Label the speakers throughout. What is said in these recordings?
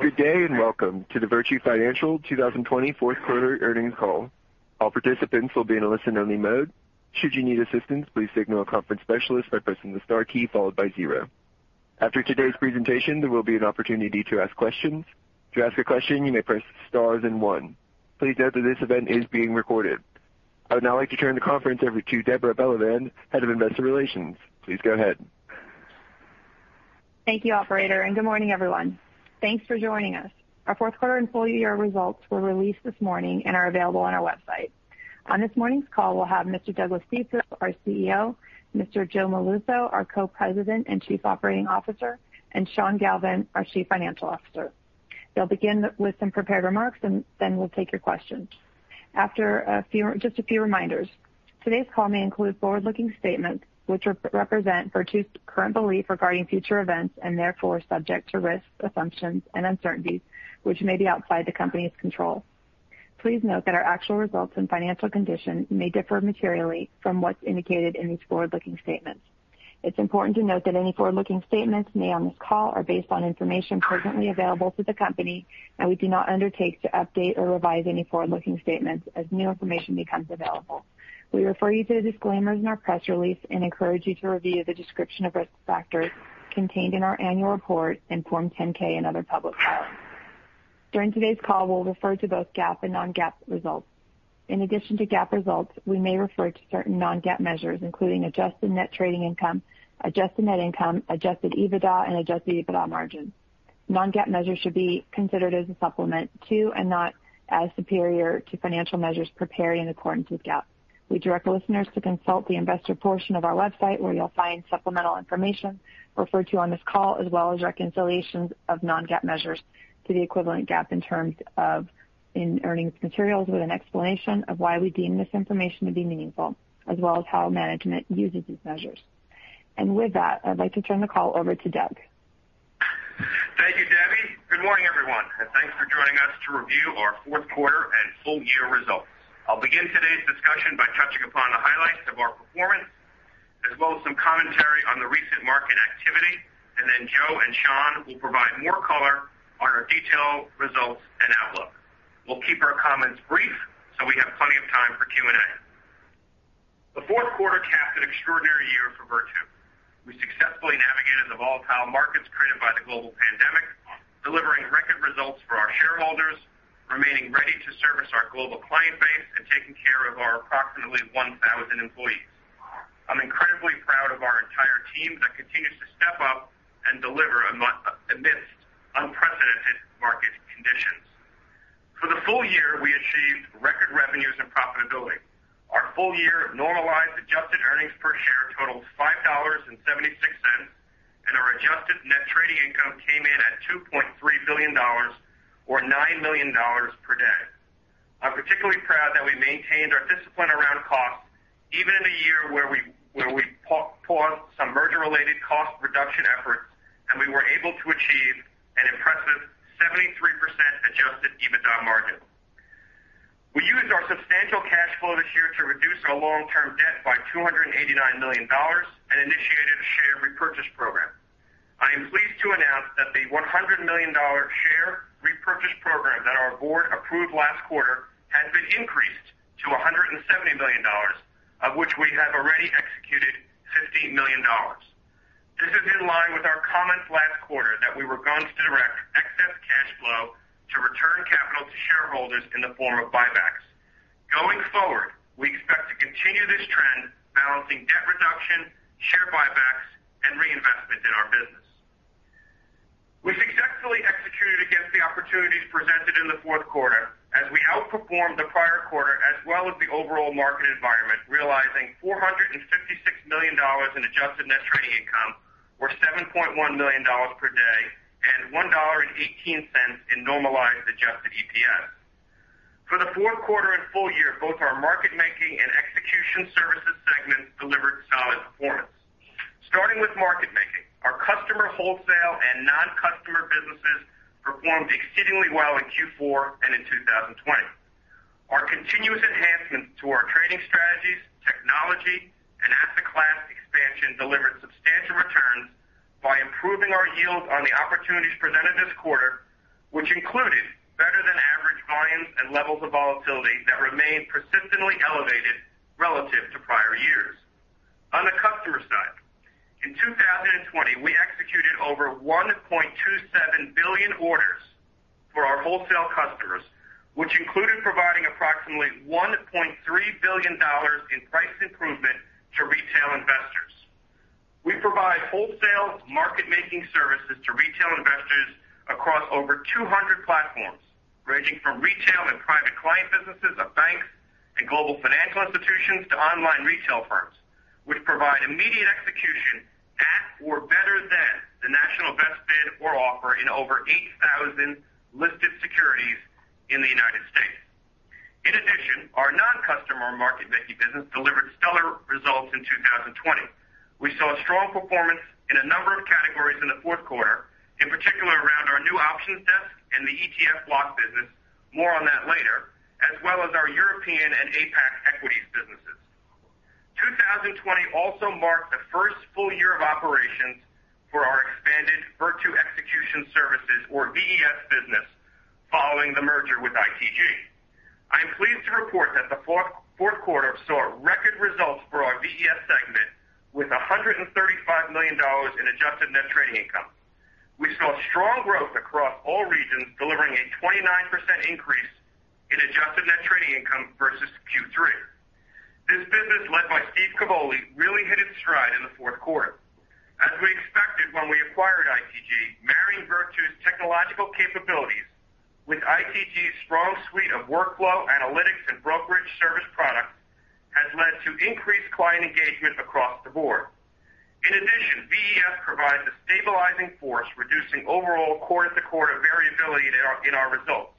Speaker 1: Good day and welcome to the Virtu Financial 2020 Fourth Quarter Earnings Call. All participants will be in a listen-only mode. Should you need assistance, please signal a conference specialist by pressing the star key followed by zero. After today's presentation, there will be an opportunity to ask questions. To ask a question, you may press star and one. Please note that this event is being recorded. I would now like to turn the conference over to Deborah Belevan, Head of Investor Relations. Please go ahead.
Speaker 2: Thank you, Operator, and good morning, everyone. Thanks for joining us. Our fourth quarter and full year results were released this morning and are available on our website. On this morning's call, we'll have Mr. Douglas Cifu, our CEO, Mr. Joe Molluso, our Co-President and Chief Operating Officer, and Sean Galvin, our Chief Financial Officer. They'll begin with some prepared remarks, and then we'll take your questions. After just a few reminders, today's call may include forward-looking statements which represent Virtu's current belief regarding future events and therefore subject to risk, assumptions, and uncertainties which may be outside the company's control. Please note that our actual results and financial condition may differ materially from what's indicated in these forward-looking statements. It's important to note that any forward-looking statements made on this call are based on information presently available to the company, and we do not undertake to update or revise any forward-looking statements as new information becomes available. We refer you to the disclaimers in our press release and encourage you to review the description of risk factors contained in our annual report, Form 10-K, and other public filings. During today's call, we'll refer to both GAAP and non-GAAP results. In addition to GAAP results, we may refer to certain non-GAAP measures, including Adjusted Net Trading Income, Adjusted Net Income, Adjusted EBITDA, and Adjusted EBITDA margins. Non-GAAP measures should be considered as a supplement to and not as superior to financial measures prepared in accordance with GAAP. We direct listeners to consult the investor portion of our website where you'll find supplemental information referred to on this call, as well as reconciliations of non-GAAP measures to the equivalent GAAP in terms of earnings materials, with an explanation of why we deem this information to be meaningful, as well as how management uses these measures. And with that, I'd like to turn the call over to Doug.
Speaker 3: Thank you, Debbie. Good morning, everyone, and thanks for joining us to review our fourth quarter and full year results. I'll begin today's discussion by touching upon the highlights of our performance, as well as some commentary on the recent market activity, and then Joe and Sean will provide more color on our detailed results and outlook. We'll keep our comments brief so we have plenty of time for Q&A. The fourth quarter capped an extraordinary year for Virtu. We successfully navigated the volatile markets created by the global pandemic, delivering record results for our shareholders, remaining ready to service our global client base, and taking care of our approximately 1,000 employees. I'm incredibly proud of our entire team that continues to step up and deliver amidst unprecedented market conditions. For the full year, we achieved record revenues and profitability. Our full year normalized adjusted earnings per share totaled $5.76, and our adjusted net trading income came in at $2.3 billion, or $9 million per day. I'm particularly proud that we maintained our discipline around costs, even in a year where we paused some merger-related cost reduction efforts, and we were able to achieve an impressive 73% adjusted EBITDA margin. We used our substantial cash flow this year to reduce our long-term debt by $289 million and initiated a share repurchase program. I am pleased to announce that the $100 million share repurchase program that our board approved last quarter has been increased to $170 million, of which we have already executed $15 million. This is in line with our comments last quarter that we were going to direct excess cash flow to return capital to shareholders in the form of buybacks. Going forward, we expect to continue this trend, balancing debt reduction, share buybacks, and reinvestment in our business. We've successfully executed against the opportunities presented in the fourth quarter as we outperformed the prior quarter, as well as the overall market environment, realizing $456 million in adjusted net trading income, or $7.1 million per day, and $1.18 in normalized adjusted EPS. For the fourth quarter and full year, both our market-making and Execution Services segments delivered solid performance. Starting with market-making, our customer wholesale and non-customer businesses performed exceedingly well in Q4 and in 2020. Our continuous enhancements to our trading strategies, technology, and asset class expansion delivered substantial returns by improving our yield on the opportunities presented this quarter, which included better-than-average volumes and levels of volatility that remained persistently elevated relative to prior years. On the customer side, in 2020, we executed over 1.27 billion orders for our wholesale customers, which included providing approximately $1.3 billion in price improvement to retail investors. We provide wholesale market-making services to retail investors across over 200 platforms, ranging from retail and private client businesses of banks and global financial institutions to online retail firms, which provide immediate execution at or better than the National Best Bid and Offer in over 8,000 listed securities in the United States. In addition, our non-customer market-making business delivered stellar results in 2020. We saw strong performance in a number of categories in the fourth quarter, in particular around our new options desk and the ETF block business, more on that later, as well as our European and APAC equities businesses. 2020 also marked the first full year of operations for our expanded Virtu Execution Services, or VES, business following the merger with ITG. I'm pleased to report that the fourth quarter saw record results for our VES segment with $135 million in adjusted net trading income. We saw strong growth across all regions, delivering a 29% increase in adjusted net trading income versus Q3. This business, led by Steve Cavoli, really hit its stride in the fourth quarter. As we expected when we acquired ITG, marrying Virtu's technological capabilities with ITG's strong suite of workflow, analytics, and brokerage service products has led to increased client engagement across the board. In addition, VES provides a stabilizing force, reducing overall quarter-to-quarter variability in our results.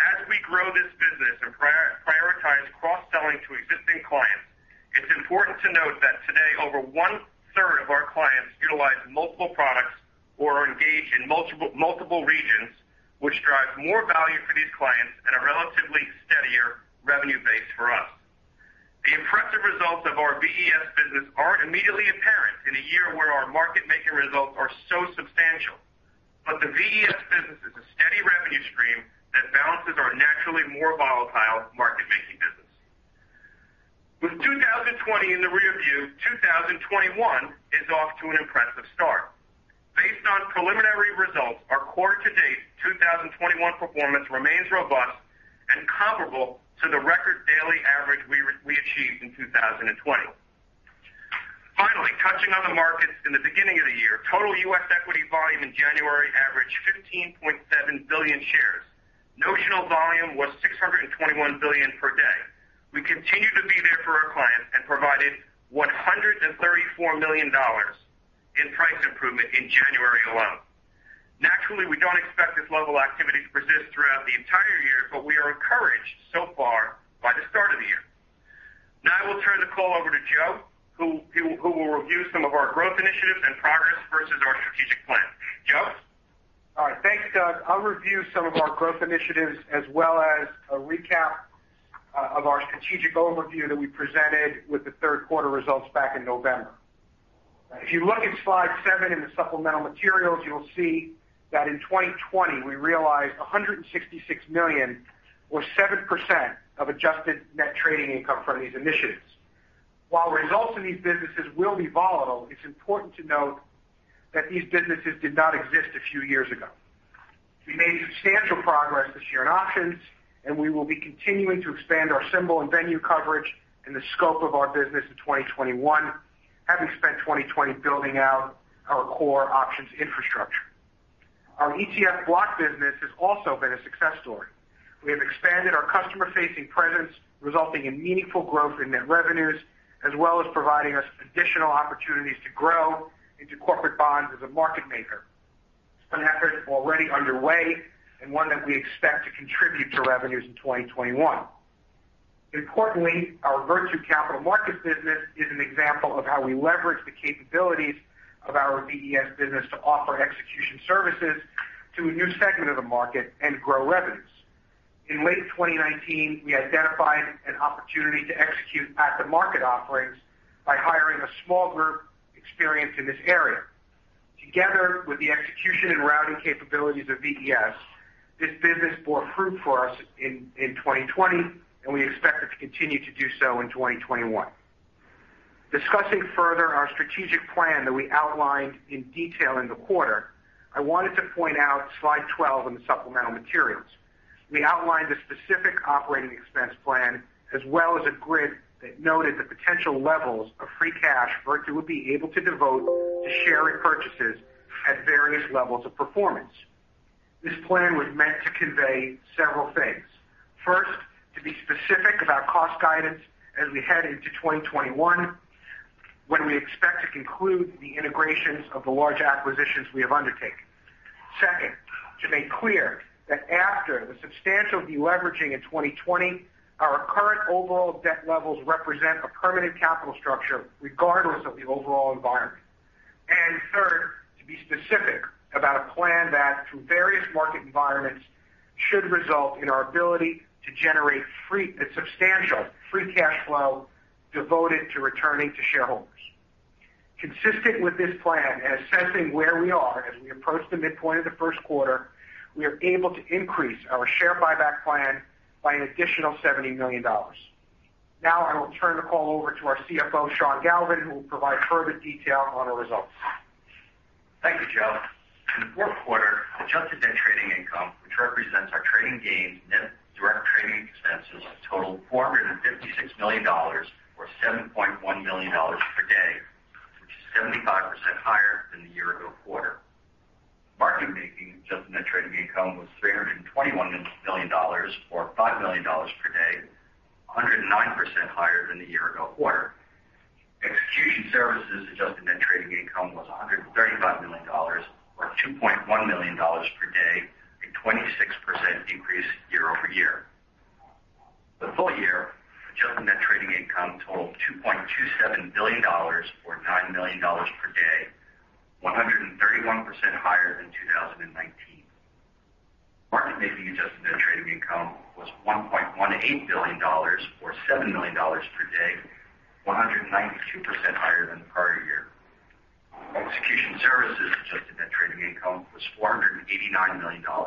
Speaker 3: As we grow this business and prioritize cross-selling to existing clients, it's important to note that today, over one-third of our clients utilize multiple products or are engaged in multiple regions, which drives more value for these clients and a relatively steadier revenue base for us. The impressive results of our VES business aren't immediately apparent in a year where our market-making results are so substantial, but the VES business is a steady revenue stream that balances our naturally more volatile market-making business. With 2020 in the rearview, 2021 is off to an impressive start. Based on preliminary results, our quarter-to-date 2021 performance remains robust and comparable to the record daily average we achieved in 2020. Finally, touching on the markets in the beginning of the year, total U.S. equity volume in January averaged 15.7 billion shares. Notional volume was 621 billion per day. We continue to be there for our clients and provided $134 million in price improvement in January alone. Naturally, we don't expect this level of activity to persist throughout the entire year, but we are encouraged so far by the start of the year. Now, I will turn the call over to Joe, who will review some of our growth initiatives and progress versus our strategic plan. Joe?
Speaker 4: All right. Thanks, Doug. I'll review some of our growth initiatives as well as a recap of our strategic overview that we presented with the third quarter results back in November. If you look at slide seven in the supplemental materials, you'll see that in 2020, we realized $166 million, or 7% of adjusted net trading income from these initiatives. While results in these businesses will be volatile, it's important to note that these businesses did not exist a few years ago. We made substantial progress this year in options, and we will be continuing to expand our symbol and venue coverage and the scope of our business in 2021, having spent 2020 building out our core options infrastructure. Our ETF block business has also been a success story. We have expanded our customer-facing presence, resulting in meaningful growth in net revenues, as well as providing us additional opportunities to grow into corporate bonds as a market maker. It's an effort already underway and one that we expect to contribute to revenues in 2021. Importantly, our Virtu Capital Markets business is an example of how we leverage the capabilities of our VES business to offer execution services to a new segment of the market and grow revenues. In late 2019, we identified an opportunity to execute at-the-market offerings by hiring a small group experienced in this area. Together with the execution and routing capabilities of VES, this business bore fruit for us in 2020, and we expect it to continue to do so in 2021. Discussing further our strategic plan that we outlined in detail in the quarter, I wanted to point out slide 12 in the supplemental materials. We outlined a specific operating expense plan as well as a grid that noted the potential levels of free cash Virtu would be able to devote to share repurchases at various levels of performance. This plan was meant to convey several things. First, to be specific about cost guidance as we head into 2021, when we expect to conclude the integrations of the large acquisitions we have undertaken. Second, to make clear that after the substantial deleveraging in 2020, our current overall debt levels represent a permanent capital structure regardless of the overall environment. And third, to be specific about a plan that, through various market environments, should result in our ability to generate substantial free cash flow devoted to returning to shareholders. Consistent with this plan and assessing where we are as we approach the midpoint of the first quarter, we are able to increase our share buyback plan by an additional $70 million. Now, I will turn the call over to our CFO, Sean Galvin, who will provide further detail on our results.
Speaker 5: Thank you, Joe. In the fourth quarter, adjusted net trading income, which represents our trading gains net of direct trading expenses, totaled $456 million, or $7.1 million per day, which is 75% higher than the year-ago quarter. Market-making adjusted net trading income was $321 million, or $5 million per day, 109% higher than the year-ago quarter. Execution services adjusted net trading income was $135 million, or $2.1 million per day, a 26% decrease year-over-year. The full year, adjusted net trading income totaled $2.27 billion, or $9 million per day, 131% higher than 2019. Market-making adjusted net trading income was $1.18 billion, or $7 million per day, 192% higher than the prior year. Execution services adjusted net trading income was $489 million, or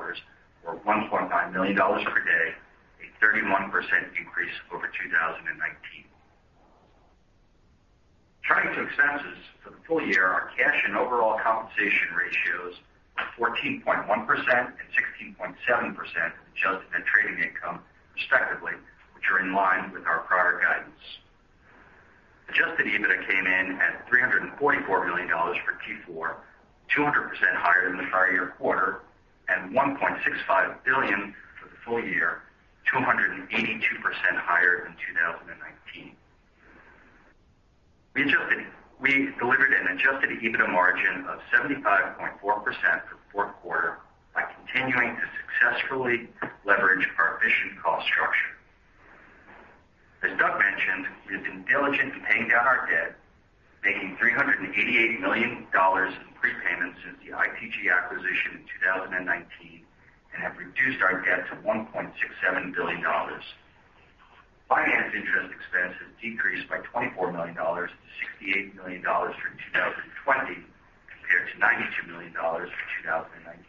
Speaker 5: $1.9 million per day, a 31% increase over 2019. Turning to expenses for the full year, our cash and overall compensation ratios were 14.1% and 16.7% of adjusted net trading income, respectively, which are in line with our prior guidance. Adjusted EBITDA came in at $344 million for Q4, 200% higher than the prior year quarter, and $1.65 billion for the full year, 282% higher than 2019. We delivered an adjusted EBITDA margin of 75.4% for the fourth quarter by continuing to successfully leverage our efficient cost structure. As Doug mentioned, we have been diligent in paying down our debt, making $388 million in prepayments since the ITG acquisition in 2019, and have reduced our debt to $1.67 billion. Financing interest expense has decreased by $24 million, to $68 million for 2020, compared to $92 million for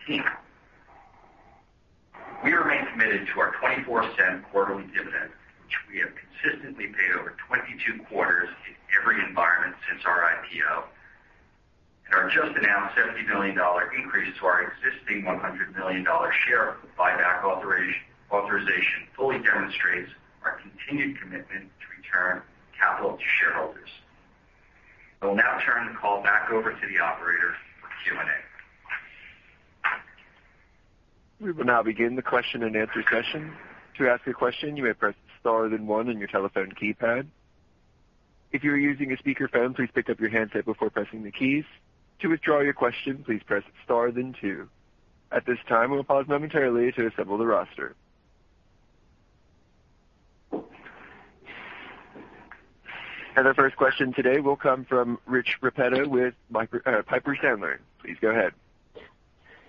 Speaker 5: 2019. We remain committed to our $0.24 quarterly dividend, which we have consistently paid over 22 quarters in every environment since our IPO, and our just-announced $70 million increase to our existing $100 million share buyback authorization fully demonstrates our continued commitment to return capital to shareholders. I will now turn the call back over to the operators for Q&A.
Speaker 1: We will now begin the question-and-answer session. To ask a question, you may press * then 1 on your telephone keypad. If you are using a speakerphone, please pick up your handset before pressing the keys. To withdraw your question, please press * then 2. At this time, we'll pause momentarily to assemble the roster. The first question today will come from Rich Repetto with Piper Sandler. Please go ahead.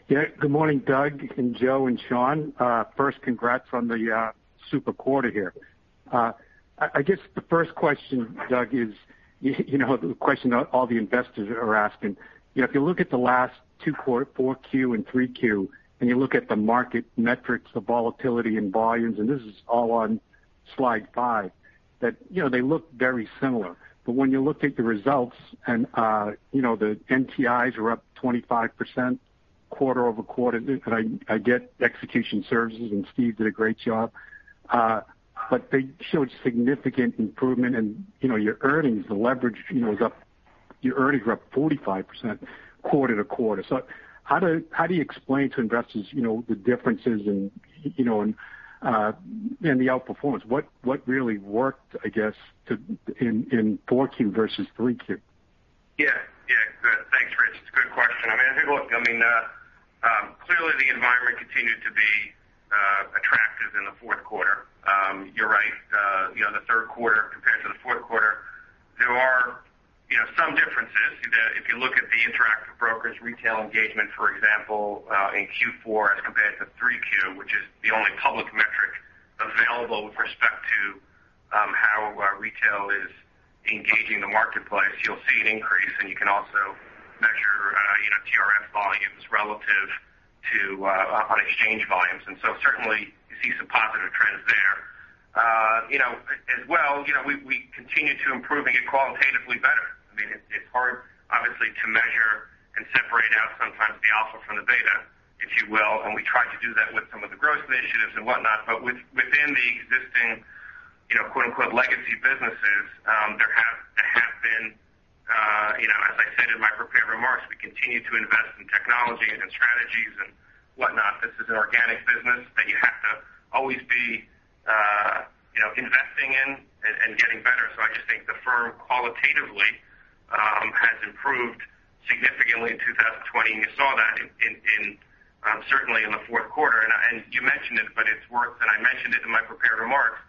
Speaker 6: Yeah. Good morning, Doug, and Joe, and Sean. First, congrats on the super quarter here. I guess the first question, Doug, is the question that all the investors are asking. If you look at the last two quarters, 4Q and 3Q, and you look at the market metrics, the volatility and volumes, and this is all on slide five, that they look very similar. But when you look at the results and the NTIs were up 25% quarter over quarter, and I get execution services, and Steve did a great job, but they showed significant improvement. And your earnings, the leverage was up. Your earnings were up 45% quarter to quarter. So how do you explain to investors the differences in the outperformance? What really worked, I guess, in 4Q versus 3Q?
Speaker 3: Yeah. Yeah. Thanks, Rich. It's a good question. I mean, I think, look, I mean, clearly, the environment continued to be attractive in the fourth quarter. You're right. The third quarter compared to the fourth quarter, there are some differences. If you look at the Interactive Brokers' retail engagement, for example, in Q4 as compared to 3Q, which is the only public metric available with respect to how retail is engaging the marketplace, you'll see an increase. And you can also measure TRF volumes relative to exchange volumes. And so certainly, you see some positive trends there. As well, we continue to improve and get qualitatively better. I mean, it's hard, obviously, to measure and separate out sometimes the alpha from the beta, if you will. And we tried to do that with some of the growth initiatives and whatnot. But within the existing "legacy" businesses, there have been, as I said in my prepared remarks, we continue to invest in technology and in strategies and whatnot. This is an organic business that you have to always be investing in and getting better. So I just think the firm qualitatively has improved significantly in 2020. And you saw that certainly in the fourth quarter. And you mentioned it, but it's worth that I mentioned it in my prepared remarks.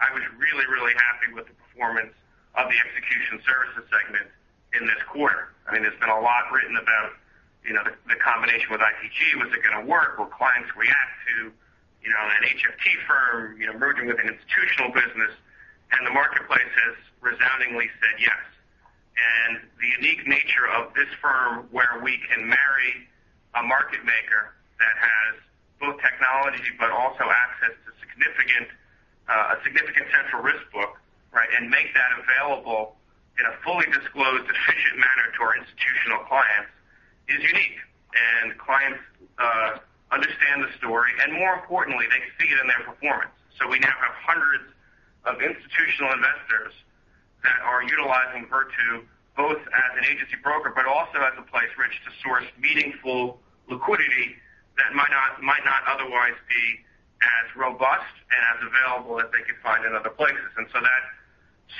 Speaker 3: I was really, really happy with the performance of the execution services segment in this quarter. I mean, there's been a lot written about the combination with ITG. Was it going to work? Will clients react to an HFT firm merging with an institutional business? And the marketplace has resoundingly said yes. The unique nature of this firm where we can marry a market maker that has both technology but also access to a significant Central Risk Book, right, and make that available in a fully disclosed, efficient manner to our institutional clients is unique. Clients understand the story. More importantly, they see it in their performance. We now have hundreds of institutional investors that are utilizing Virtu both as an agency broker but also as a place to source meaningful liquidity that might not otherwise be as robust and as available as they could find in other places. That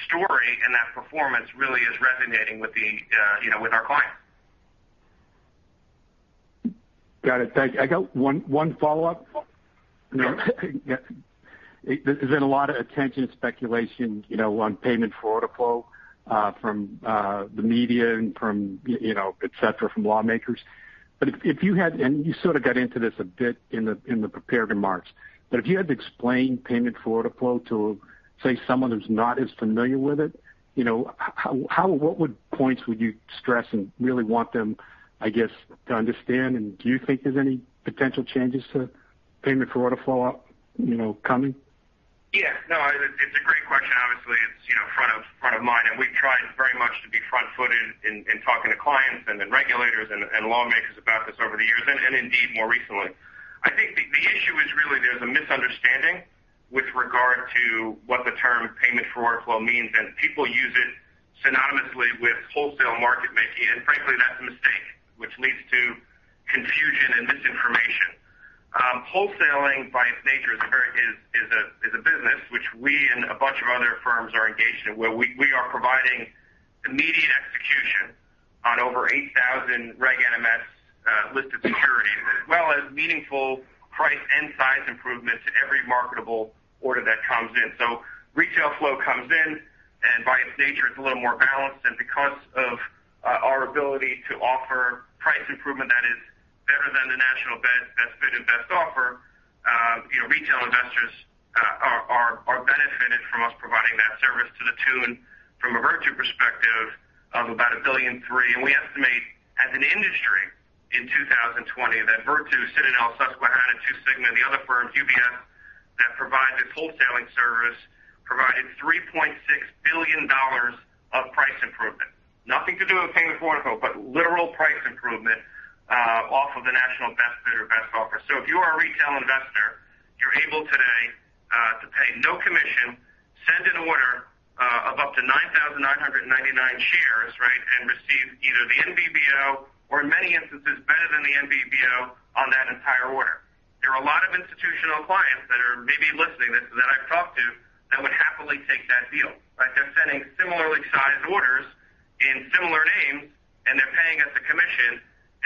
Speaker 3: story and that performance really is resonating with our clients.
Speaker 6: Got it. Thanks. I got one follow-up. There's been a lot of attention and speculation on payment for order flow from the media and from, etc., from lawmakers. But if you had—and you sort of got into this a bit in the prepared remarks—but if you had to explain payment for order flow to, say, someone who's not as familiar with it, what points would you stress and really want them, I guess, to understand? And do you think there's any potential changes to payment for order flow coming?
Speaker 3: Yeah. No, it's a great question. Obviously, it's front of mind, and we've tried very much to be front-footed in talking to clients and regulators and lawmakers about this over the years and indeed more recently. I think the issue is really there's a misunderstanding with regard to what the term payment for order flow means, and people use it synonymously with wholesale market making, and frankly, that's a mistake, which leads to confusion and misinformation. Wholesaling, by its nature, is a business, which we and a bunch of other firms are engaged in, where we are providing immediate execution on over 8,000 Reg NMS listed securities, as well as meaningful price and size improvements to every marketable order that comes in. So retail flow comes in, and by its nature, it's a little more balanced. Because of our ability to offer price improvement that is better than the National Best Bid and Offer, retail investors are benefited from us providing that service to the tune, from a Virtu perspective, of about $1.3 billion. We estimate, as an industry, in 2020, that Virtu, Citadel, Susquehanna, Two Sigma, and the other firms, UBS, that provide this wholesaling service, provided $3.6 billion of price improvement. Nothing to do with payment for order flow, but literal price improvement off of the National Best Bid and Offer. If you are a retail investor, you're able today to pay no commission, send an order of up to 9,999 shares, right, and receive either the NBBO or, in many instances, better than the NBBO on that entire order. There are a lot of institutional clients that are maybe listening that I've talked to that would happily take that deal, right? They're sending similarly sized orders in similar names, and they're paying us a commission,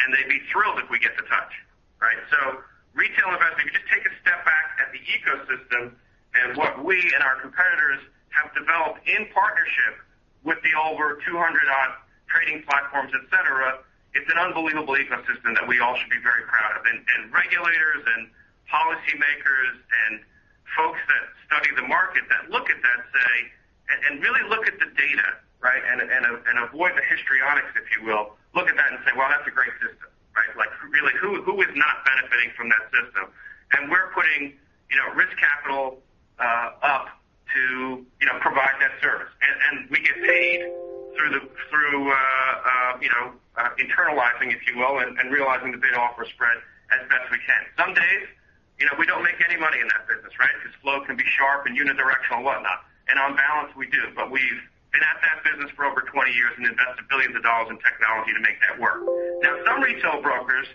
Speaker 3: and they'd be thrilled if we get the touch, right? So retail investors, if you just take a step back at the ecosystem and what we and our competitors have developed in partnership with the over 200-odd trading platforms, etc., it's an unbelievable ecosystem that we all should be very proud of. And regulators and policymakers and folks that study the market that look at that say, and really look at the data, right, and avoid the histrionics, if you will, look at that and say, "Well, that's a great system," right? Like, really, who is not benefiting from that system? And we're putting risk capital up to provide that service. We get paid through internalizing, if you will, and realizing the bid-offer spread as best we can. Some days, we don't make any money in that business, right, because flow can be sharp and unidirectional and whatnot. On balance, we do. We've been at that business for over 20 years and invested billions of dollars in technology to make that work. Now, some retail brokers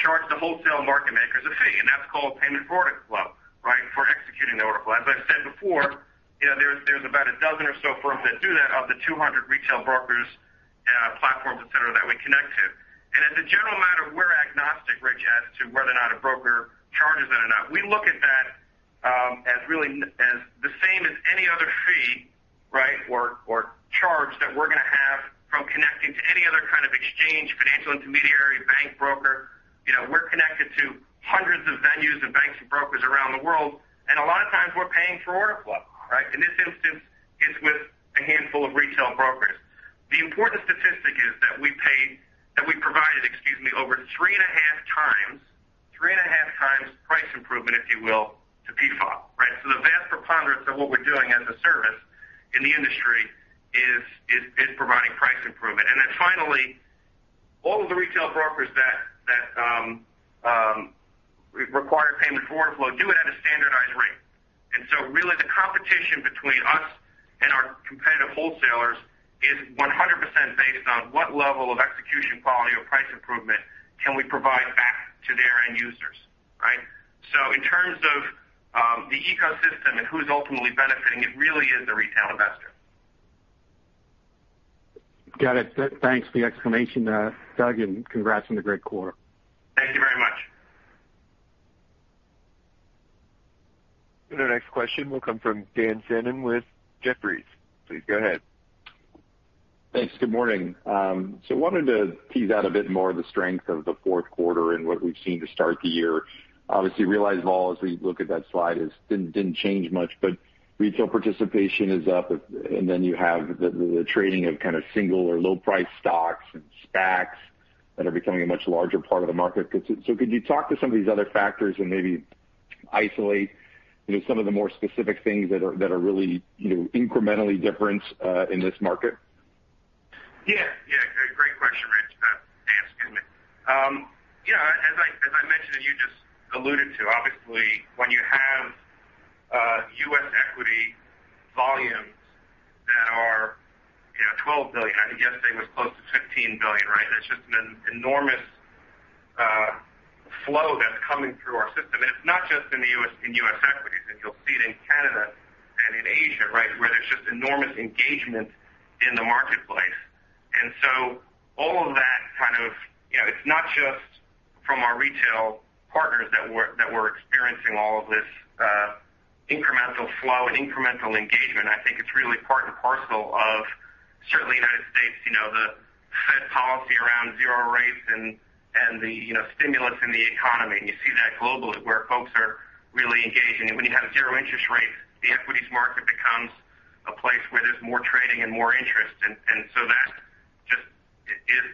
Speaker 3: charge the wholesale market makers a fee. That's called payment for order flow, right, for executing the order flow. As I've said before, there's about a dozen or so firms that do that of the 200 retail brokers, platforms, etc., that we connect to. As a general matter, we're agnostic, Rich, as to whether or not a broker charges that or not. We look at that as really the same as any other fee, right, or charge that we're going to have from connecting to any other kind of exchange, financial intermediary, bank broker. We're connected to hundreds of venues and banks and brokers around the world. And a lot of times, we're paying for order flow, right? In this instance, it's with a handful of retail brokers. The important statistic is that we provided, excuse me, over three and a half times, three and a half times price improvement, if you will, to PFOF, right? So the vast preponderance of what we're doing as a service in the industry is providing price improvement. And then finally, all of the retail brokers that require payment for order flow do it at a standardized rate. And so really, the competition between us and our competitive wholesalers is 100% based on what level of execution quality or price improvement can we provide back to their end users, right? So in terms of the ecosystem and who's ultimately benefiting, it really is the retail investor.
Speaker 6: Got it. Thanks for the explanation, Doug, and congrats on the great quarter.
Speaker 3: Thank you very much.
Speaker 1: The next question will come from Dan Fannon with Jefferies. Please go ahead.
Speaker 7: Thanks. Good morning. So I wanted to tease out a bit more of the strength of the fourth quarter and what we've seen to start the year. Obviously, overall, as we look at that slide, it didn't change much, but retail participation is up. And then you have the trading of kind of single or low-priced stocks and SPACs that are becoming a much larger part of the market. So could you talk to some of these other factors and maybe isolate some of the more specific things that are really incrementally different in this market?
Speaker 3: Yeah. Yeah. Great question, Rich, to ask. Yeah. As I mentioned, and you just alluded to, obviously, when you have U.S. equity volumes that are 12 billion, I think yesterday was close to 15 billion, right? That's just an enormous flow that's coming through our system. And it's not just in U.S. equities. And you'll see it in Canada and in Asia, right, where there's just enormous engagement in the marketplace. And so all of that kind of, it's not just from our retail partners that we're experiencing all of this incremental flow and incremental engagement. I think it's really part and parcel of, certainly, the United States, the Fed policy around zero rates and the stimulus in the economy. And you see that globally where folks are really engaged. And when you have zero interest rates, the equities market becomes a place where there's more trading and more interest. And so that just is,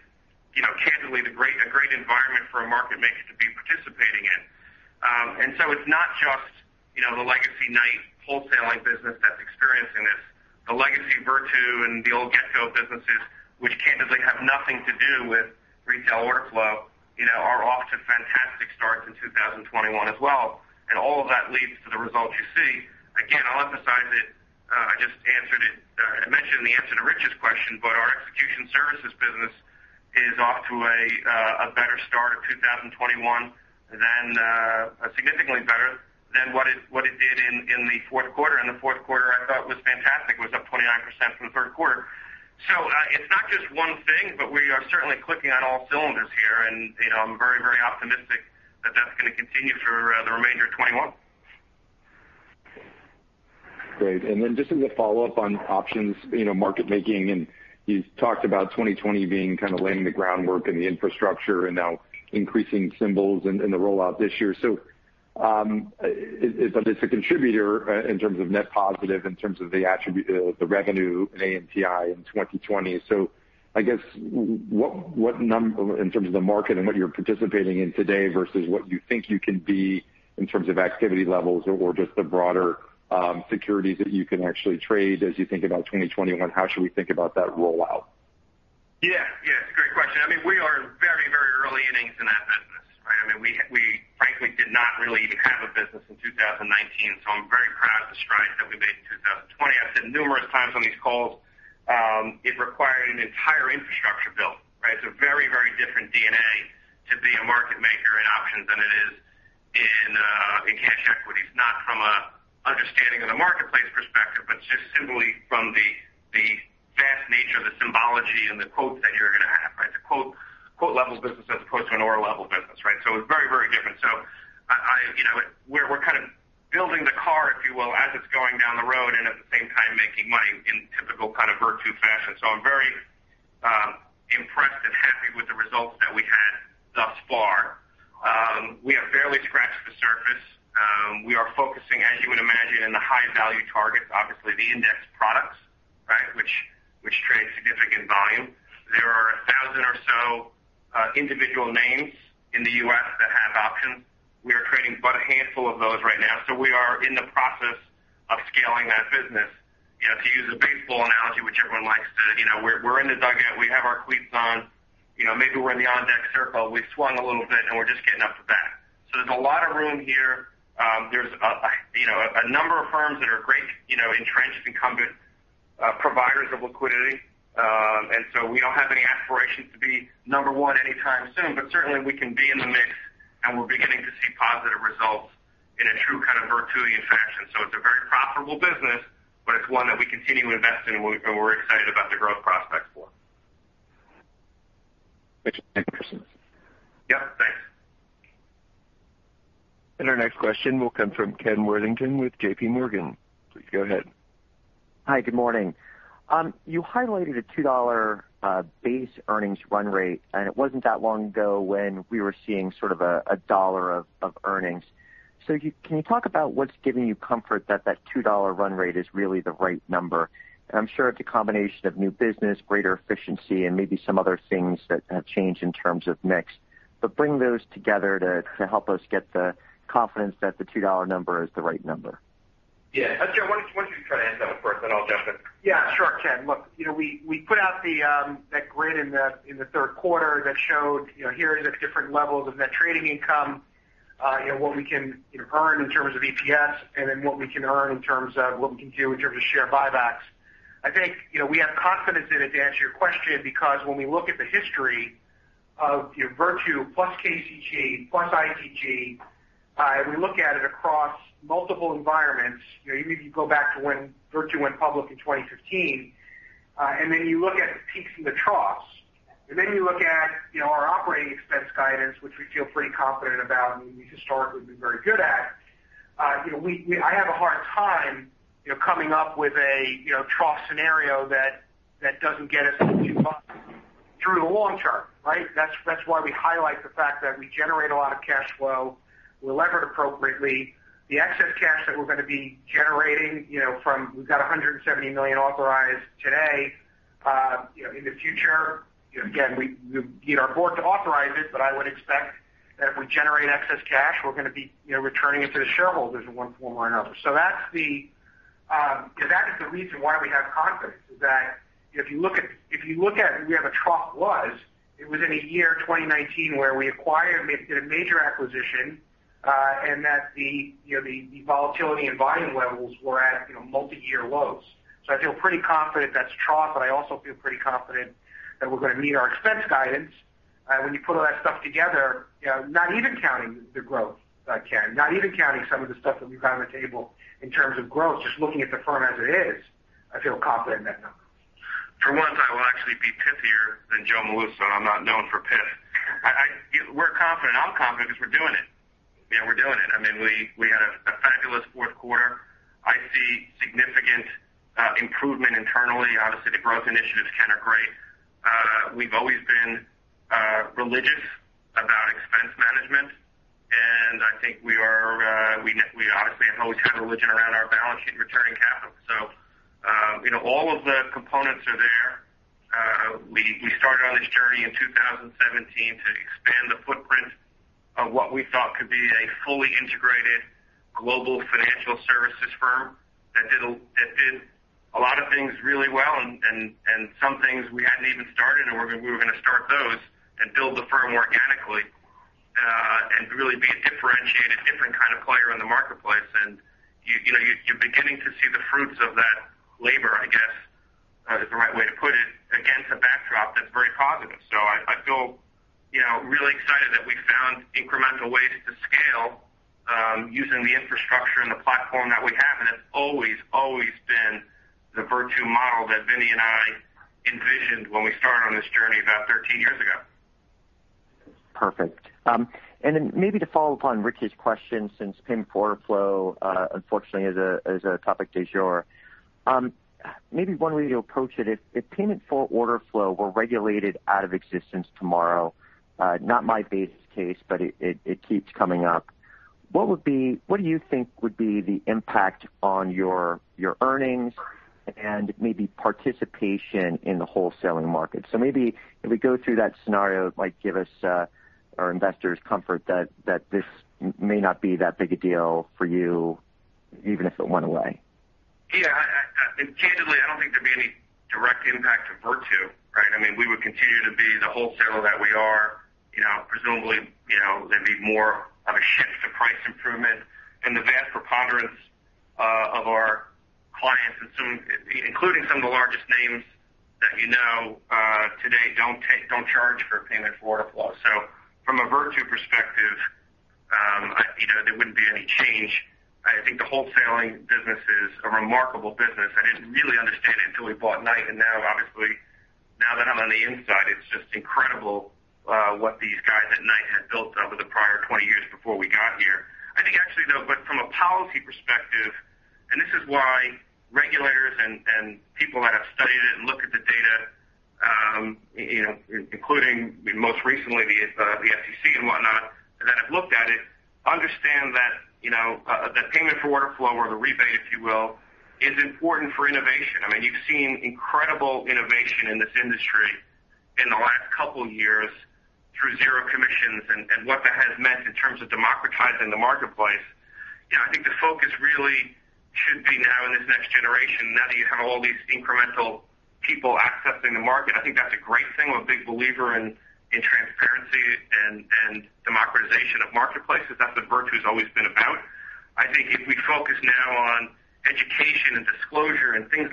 Speaker 3: candidly, a great environment for a market maker to be participating in. And so it's not just the legacy Knight wholesaling business that's experiencing this. The legacy Virtu and the old Getco businesses, which candidly have nothing to do with retail workflow, are off to fantastic starts in 2021 as well. And all of that leads to the result you see. Again, I'll emphasize it. I just mentioned the answer to Rich's question, but our execution services business is off to a better start of 2021, significantly better than what it did in the fourth quarter. And the fourth quarter, I thought, was fantastic. It was up 29% from the third quarter. So it's not just one thing, but we are certainly clicking on all cylinders here. And I'm very, very optimistic that that's going to continue for the remainder of 2021.
Speaker 7: Great, and then just as a follow-up on options, market making, and you talked about 2020 being kind of laying the groundwork and the infrastructure and now increasing symbols in the rollout this year, so it's a contributor in terms of net positive, in terms of the revenue and ANTI in 2020. So I guess what number, in terms of the market and what you're participating in today versus what you think you can be in terms of activity levels or just the broader securities that you can actually trade as you think about 2021, how should we think about that rollout?
Speaker 3: Yeah. Yeah. It's a great question. I mean, we are very, very early innings in that business, right? I mean, we, frankly, did not really even have a business in 2019. So I'm very proud of the strides that we made in 2020. I've said numerous times on these calls, it required an entire infrastructure build, right? It's a very, very different DNA to be a market maker in options than it is in cash equities, not from an understanding of the marketplace perspective, but just simply from the vast nature of the symbology and the quotes that you're going to have, right? It's a quote-level business as opposed to an order-level business, right? So it's very, very different. So we're kind of building the car, if you will, as it's going down the road and at the same time making money in typical kind of Virtu fashion. I'm very impressed and happy with the results that we had thus far. We have barely scratched the surface. We are focusing, as you would imagine, in the high-value targets, obviously, the index products, right, which trade significant volume. There are a thousand or so individual names in the U.S. that have options. We are trading but a handful of those right now. We are in the process of scaling that business. To use a baseball analogy, which everyone likes to, we're in the dugout. We have our cleats on. Maybe we're in the on-deck circle. We've swung a little bit, and we're just getting up to bat. There's a lot of room here. There's a number of firms that are great entrenched incumbent providers of liquidity. We don't have any aspirations to be number one anytime soon. But certainly, we can be in the mix, and we're beginning to see positive results in a true kind of Virtu fashion. So it's a very profitable business, but it's one that we continue to invest in, and we're excited about the growth prospects for it.
Speaker 7: Thank you for your response.
Speaker 3: Yep. Thanks.
Speaker 1: Our next question will come from Ken Worthington with JPMorgan. Please go ahead.
Speaker 8: Hi. Good morning. You highlighted a $2 base earnings run rate, and it wasn't that long ago when we were seeing sort of $1 of earnings. So can you talk about what's giving you comfort that that $2 run rate is really the right number? And I'm sure it's a combination of new business, greater efficiency, and maybe some other things that have changed in terms of mix. But bring those together to help us get the confidence that the $2 number is the right number.
Speaker 3: Yeah. Actually, I want you to try to answer that first, then I'll jump in.
Speaker 4: Yeah. Sure, Ken. Look, we put out that grid in the third quarter that showed here are the different levels of net trading income, what we can earn in terms of EPS, and then what we can earn in terms of what we can do in terms of share buybacks. I think we have confidence in it, to answer your question, because when we look at the history of Virtu plus KCG plus ITG, and we look at it across multiple environments, you maybe go back to when Virtu went public in 2015, and then you look at the peaks and the troughs, and then you look at our operating expense guidance, which we feel pretty confident about and we historically have been very good at. I have a hard time coming up with a trough scenario that doesn't get us too far through the long term, right? That's why we highlight the fact that we generate a lot of cash flow. We'll leverage appropriately. The excess cash that we're going to be generating from we've got $170 million authorized today. In the future, again, we need our board to authorize it, but I would expect that if we generate excess cash, we're going to be returning it to the shareholders in one form or another. That's the reason why we have confidence, is that if you look at where the trough was, it was in the year 2019 where we acquired, made a major acquisition, and that the volatility and volume levels were at multi-year lows. I feel pretty confident that's trough, but I also feel pretty confident that we're going to meet our expense guidance. When you put all that stuff together, not even counting the growth, Ken, not even counting some of the stuff that we've got on the table in terms of growth, just looking at the firm as it is, I feel confident in that number.
Speaker 3: For once, I will actually be pithier than Joe Molluso. I'm not known for pith. We're confident. I'm confident because we're doing it. We're doing it. I mean, we had a fabulous fourth quarter. I see significant improvement internally. Obviously, the growth initiatives, Ken, are great. We've always been religious about expense management. And I think we are, we obviously have always had religion around our balance sheet and returning capital. So all of the components are there. We started on this journey in 2017 to expand the footprint of what we thought could be a fully integrated global financial services firm that did a lot of things really well and some things we hadn't even started, and we were going to start those and build the firm organically and really be a differentiated, different kind of player in the marketplace. And you're beginning to see the fruits of that labor, I guess, is the right way to put it, against a backdrop that's very positive. So I feel really excited that we found incremental ways to scale using the infrastructure and the platform that we have. And it's always, always been the Virtu model that Vinny and I envisioned when we started on this journey about 13 years ago.
Speaker 8: Perfect. And then maybe to follow up on Rich's question, since payment for order flow, unfortunately, is a topic du jour, maybe one way to approach it, if payment for order flow were regulated out of existence tomorrow, not my base case, but it keeps coming up, what do you think would be the impact on your earnings and maybe participation in the wholesale market? So maybe if we go through that scenario, it might give us, or investors, comfort that this may not be that big a deal for you, even if it went away.
Speaker 3: Yeah. Candidly, I don't think there'd be any direct impact to Virtu, right? I mean, we would continue to be the wholesaler that we are. Presumably, there'd be more of a shift to price improvement. And the vast preponderance of our clients, including some of the largest names that you know today, don't charge for payment for order flow. So from a Virtu perspective, there wouldn't be any change. I think the wholesaling business is a remarkable business. I didn't really understand it until we bought Knight. And now, obviously, now that I'm on the inside, it's just incredible what these guys at Knight had built over the prior 20 years before we got here. I think, actually, though, from a policy perspective, and this is why regulators and people that have studied it and looked at the data, including most recently the FTC and whatnot, that have looked at it, understand that the payment for order flow or the rebate, if you will, is important for innovation. I mean, you've seen incredible innovation in this industry in the last couple of years through zero commissions and what that has meant in terms of democratizing the marketplace. I think the focus really should be now in this next generation, now that you have all these incremental people accessing the market. I think that's a great thing. I'm a big believer in transparency and democratization of marketplaces. That's what Virtu has always been about. I think if we focus now on education and disclosure and things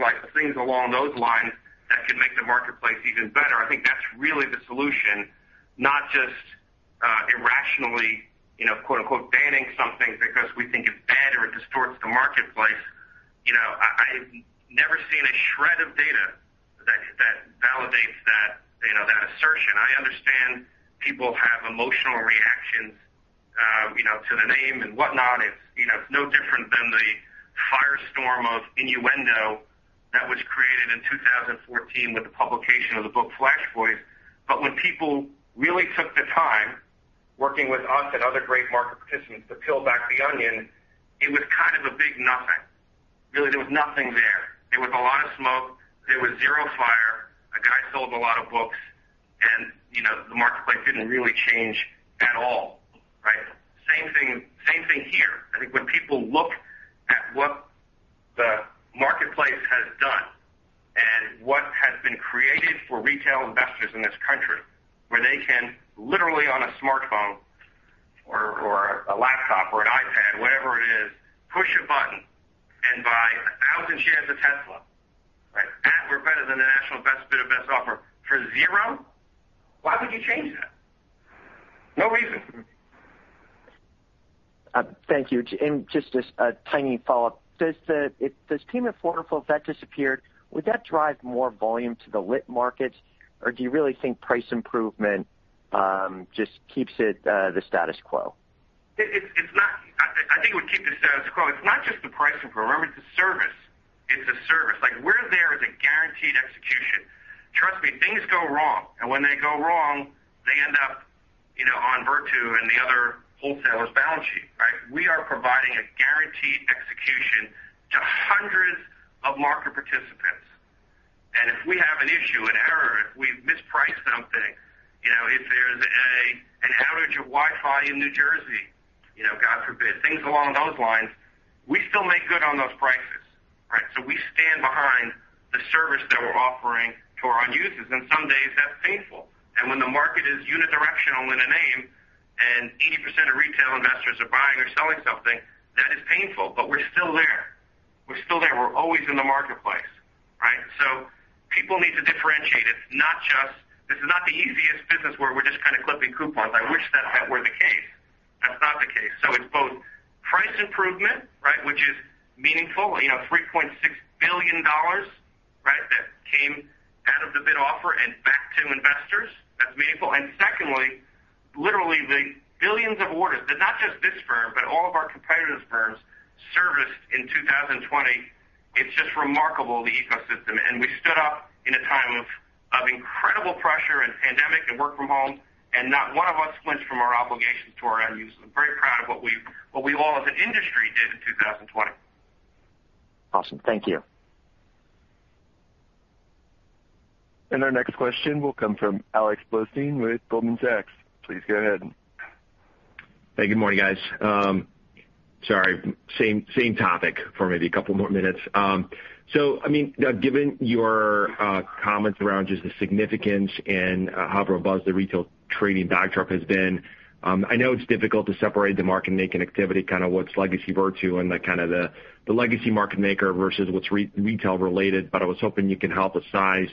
Speaker 3: along those lines that can make the marketplace even better, I think that's really the solution, not just irrationally "banning" something because we think it's bad or it distorts the marketplace. I've never seen a shred of data that validates that assertion. I understand people have emotional reactions to the name and whatnot. It's no different than the firestorm of innuendo that was created in 2014 with the publication of the book Flash Boys. But when people really took the time working with us and other great market participants to peel back the onion, it was kind of a big nothing. Really, there was nothing there. There was a lot of smoke. There was zero fire. A guy sold a lot of books, and the marketplace didn't really change at all, right? Same thing here. I think when people look at what the marketplace has done and what has been created for retail investors in this country where they can literally on a smartphone or a laptop or an iPad, whatever it is, push a button and buy 1,000 shares of Tesla, right? We're better than the National Best Bid and Offer for zero. Why would you change that? No reason.
Speaker 8: Thank you. And just a tiny follow-up. Says that if this payment for order flow, if that disappeared, would that drive more volume to the lit markets, or do you really think price improvement just keeps it the status quo?
Speaker 3: I think it would keep the status quo. It's not just the price improvement. Remember, it's a service. It's a service. We're there as a guaranteed execution. Trust me, things go wrong. And when they go wrong, they end up on Virtu and the other wholesalers' balance sheet, right? We are providing a guaranteed execution to hundreds of market participants. And if we have an issue, an error, if we've mispriced something, if there's an outage of Wi-Fi in New Jersey, God forbid, things along those lines, we still make good on those prices, right? So we stand behind the service that we're offering to our end users. And some days, that's painful. And when the market is unidirectional in a name and 80% of retail investors are buying or selling something, that is painful. But we're still there. We're still there. We're always in the marketplace, right? So people need to differentiate. It's not just this is not the easiest business where we're just kind of clipping coupons. I wish that that were the case. That's not the case. So it's both price improvement, right, which is meaningful, $3.6 billion, right, that came out of the bid offer and back to investors. That's meaningful. And secondly, literally, the billions of orders that not just this firm, but all of our competitors' firms serviced in 2020. It's just remarkable, the ecosystem. And we stood up in a time of incredible pressure and pandemic and work from home, and not one of us flinched from our obligations to our end users. I'm very proud of what we all, as an industry, did in 2020.
Speaker 8: Awesome. Thank you.
Speaker 1: Our next question will come from Alex Blostein with Goldman Sachs. Please go ahead.
Speaker 9: Hey, good morning, guys. Sorry. Same topic for maybe a couple more minutes. So I mean, given your comments around just the significance and how robust the retail trading backdrop has been, I know it's difficult to separate the market-making activity, kind of what's legacy Virtu and kind of the legacy market maker versus what's retail-related, but I was hoping you can help assign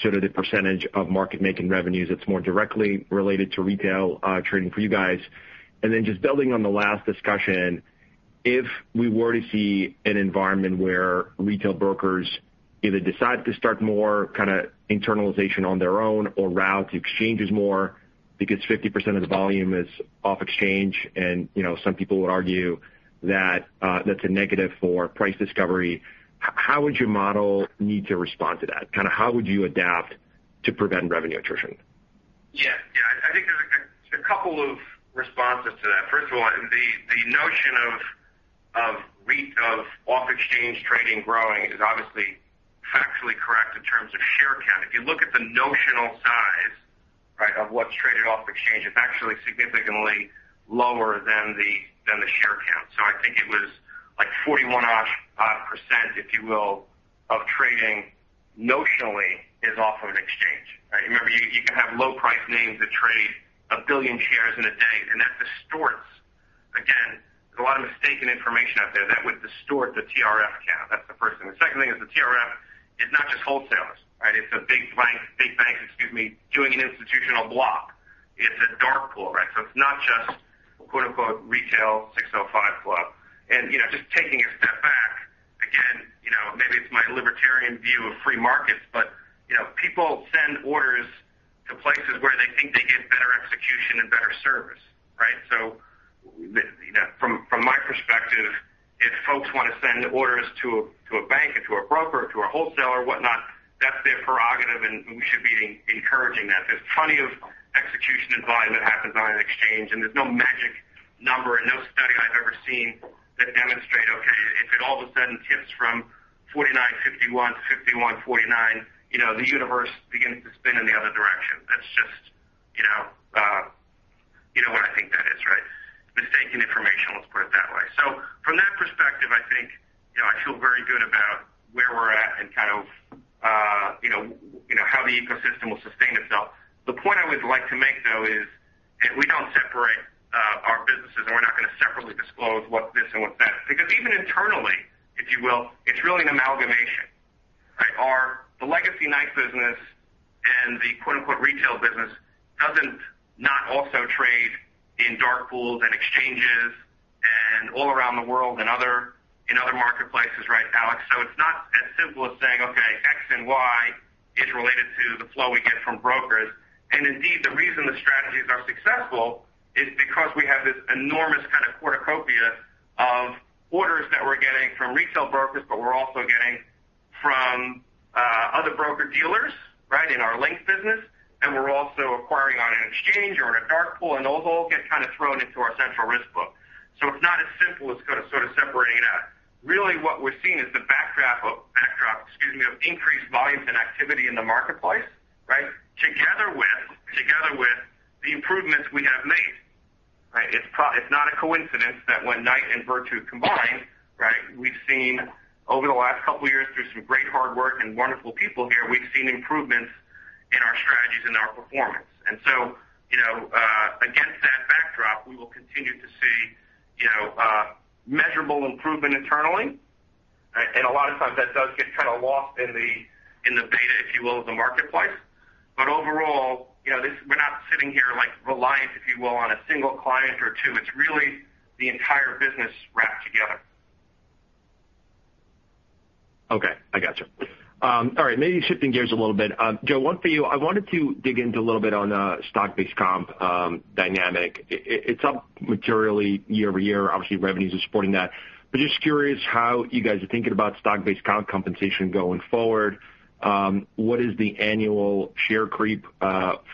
Speaker 9: sort of the percentage of market-making revenues that's more directly related to retail trading for you guys. And then just building on the last discussion, if we were to see an environment where retail brokers either decide to start more kind of internalization on their own or route to exchanges more because 50% of the volume is off-exchange, and some people would argue that that's a negative for price discovery, how would your model need to respond to that? Kind of, how would you adapt to prevent revenue attrition?
Speaker 3: Yeah. Yeah. I think there's a couple of responses to that. First of all, the notion of off-exchange trading growing is obviously factually correct in terms of share count. If you look at the notional size, right, of what's traded off-exchange, it's actually significantly lower than the share count. So I think it was like 41-ish%, if you will, of trading notionally is off of an exchange, right? Remember, you can have low-priced names that trade a billion shares in a day, and that distorts again, there's a lot of mistaken information out there that would distort the TRF count. That's the first thing. The second thing is the TRF is not just wholesalers, right? It's a big bank, excuse me, doing an institutional block. It's a dark pool, right? So it's not just "retail 605 club." And just taking a step back, again, maybe it's my libertarian view of free markets, but people send orders to places where they think they get better execution and better service, right? So from my perspective, if folks want to send orders to a bank and to a broker or to a wholesaler or whatnot, that's their prerogative, and we should be encouraging that. There's plenty of execution and volume that happens on an exchange, and there's no magic number and no study I've ever seen that demonstrates, okay, if it all of a sudden tips from 49.51 to 51.49, the universe begins to spin in the other direction. That's just what I think that is, right? Mistaken information, let's put it that way. So from that perspective, I think I feel very good about where we're at and kind of how the ecosystem will sustain itself. The point I would like to make, though, is we don't separate our businesses, and we're not going to separately disclose what's this and what's that. Because even internally, if you will, it's really an amalgamation, right? The legacy Knight business and the "retail" business do also trade in dark pools and exchanges and all around the world and other marketplaces, right, Alex? So it's not as simple as saying, okay, X and Y is related to the flow we get from brokers. And indeed, the reason the strategies are successful is because we have this enormous kind of cornucopia of orders that we're getting from retail brokers, but we're also getting from other broker-dealers, right, in our Link business, and we're also executing on an exchange or in a dark pool, and those all get kind of thrown into our Central Risk Book. So it's not as simple as sort of separating it out. Really, what we're seeing is the backdrop, excuse me, of increased volumes and activity in the marketplace, right, together with the improvements we have made, right? It's not a coincidence that when Knight and Virtu combine, right, we've seen over the last couple of years through some great hard work and wonderful people here, we've seen improvements in our strategies and our performance. And so against that backdrop, we will continue to see measurable improvement internally. And a lot of times, that does get kind of lost in the beta, if you will, of the marketplace. But overall, we're not sitting here reliant, if you will, on a single client or two. It's really the entire business wrapped together.
Speaker 9: Okay. I gotcha. All right. Maybe shifting gears a little bit. Joe, one for you. I wanted to dig into a little bit on stock-based comp dynamic. It's up materially year over year. Obviously, revenues are supporting that. But just curious how you guys are thinking about stock-based compensation going forward. What is the annual share creep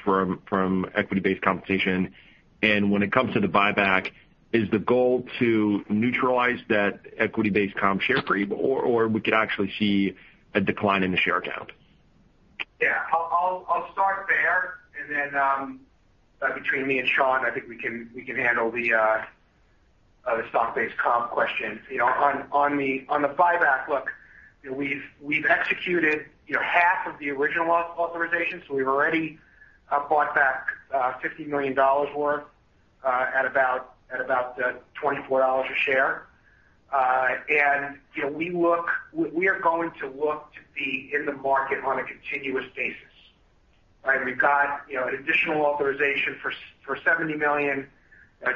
Speaker 9: from equity-based compensation? And when it comes to the buyback, is the goal to neutralize that equity-based comp share creep, or we could actually see a decline in the share count?
Speaker 5: Yeah. I'll start there. And then between me and Sean, I think we can handle the stock-based comp question. On the buyback, look, we've executed half of the original authorization. So we've already bought back $50 million worth at about $24 a share. And we are going to look to be in the market on a continuous basis, right? We've got an additional authorization for $70 million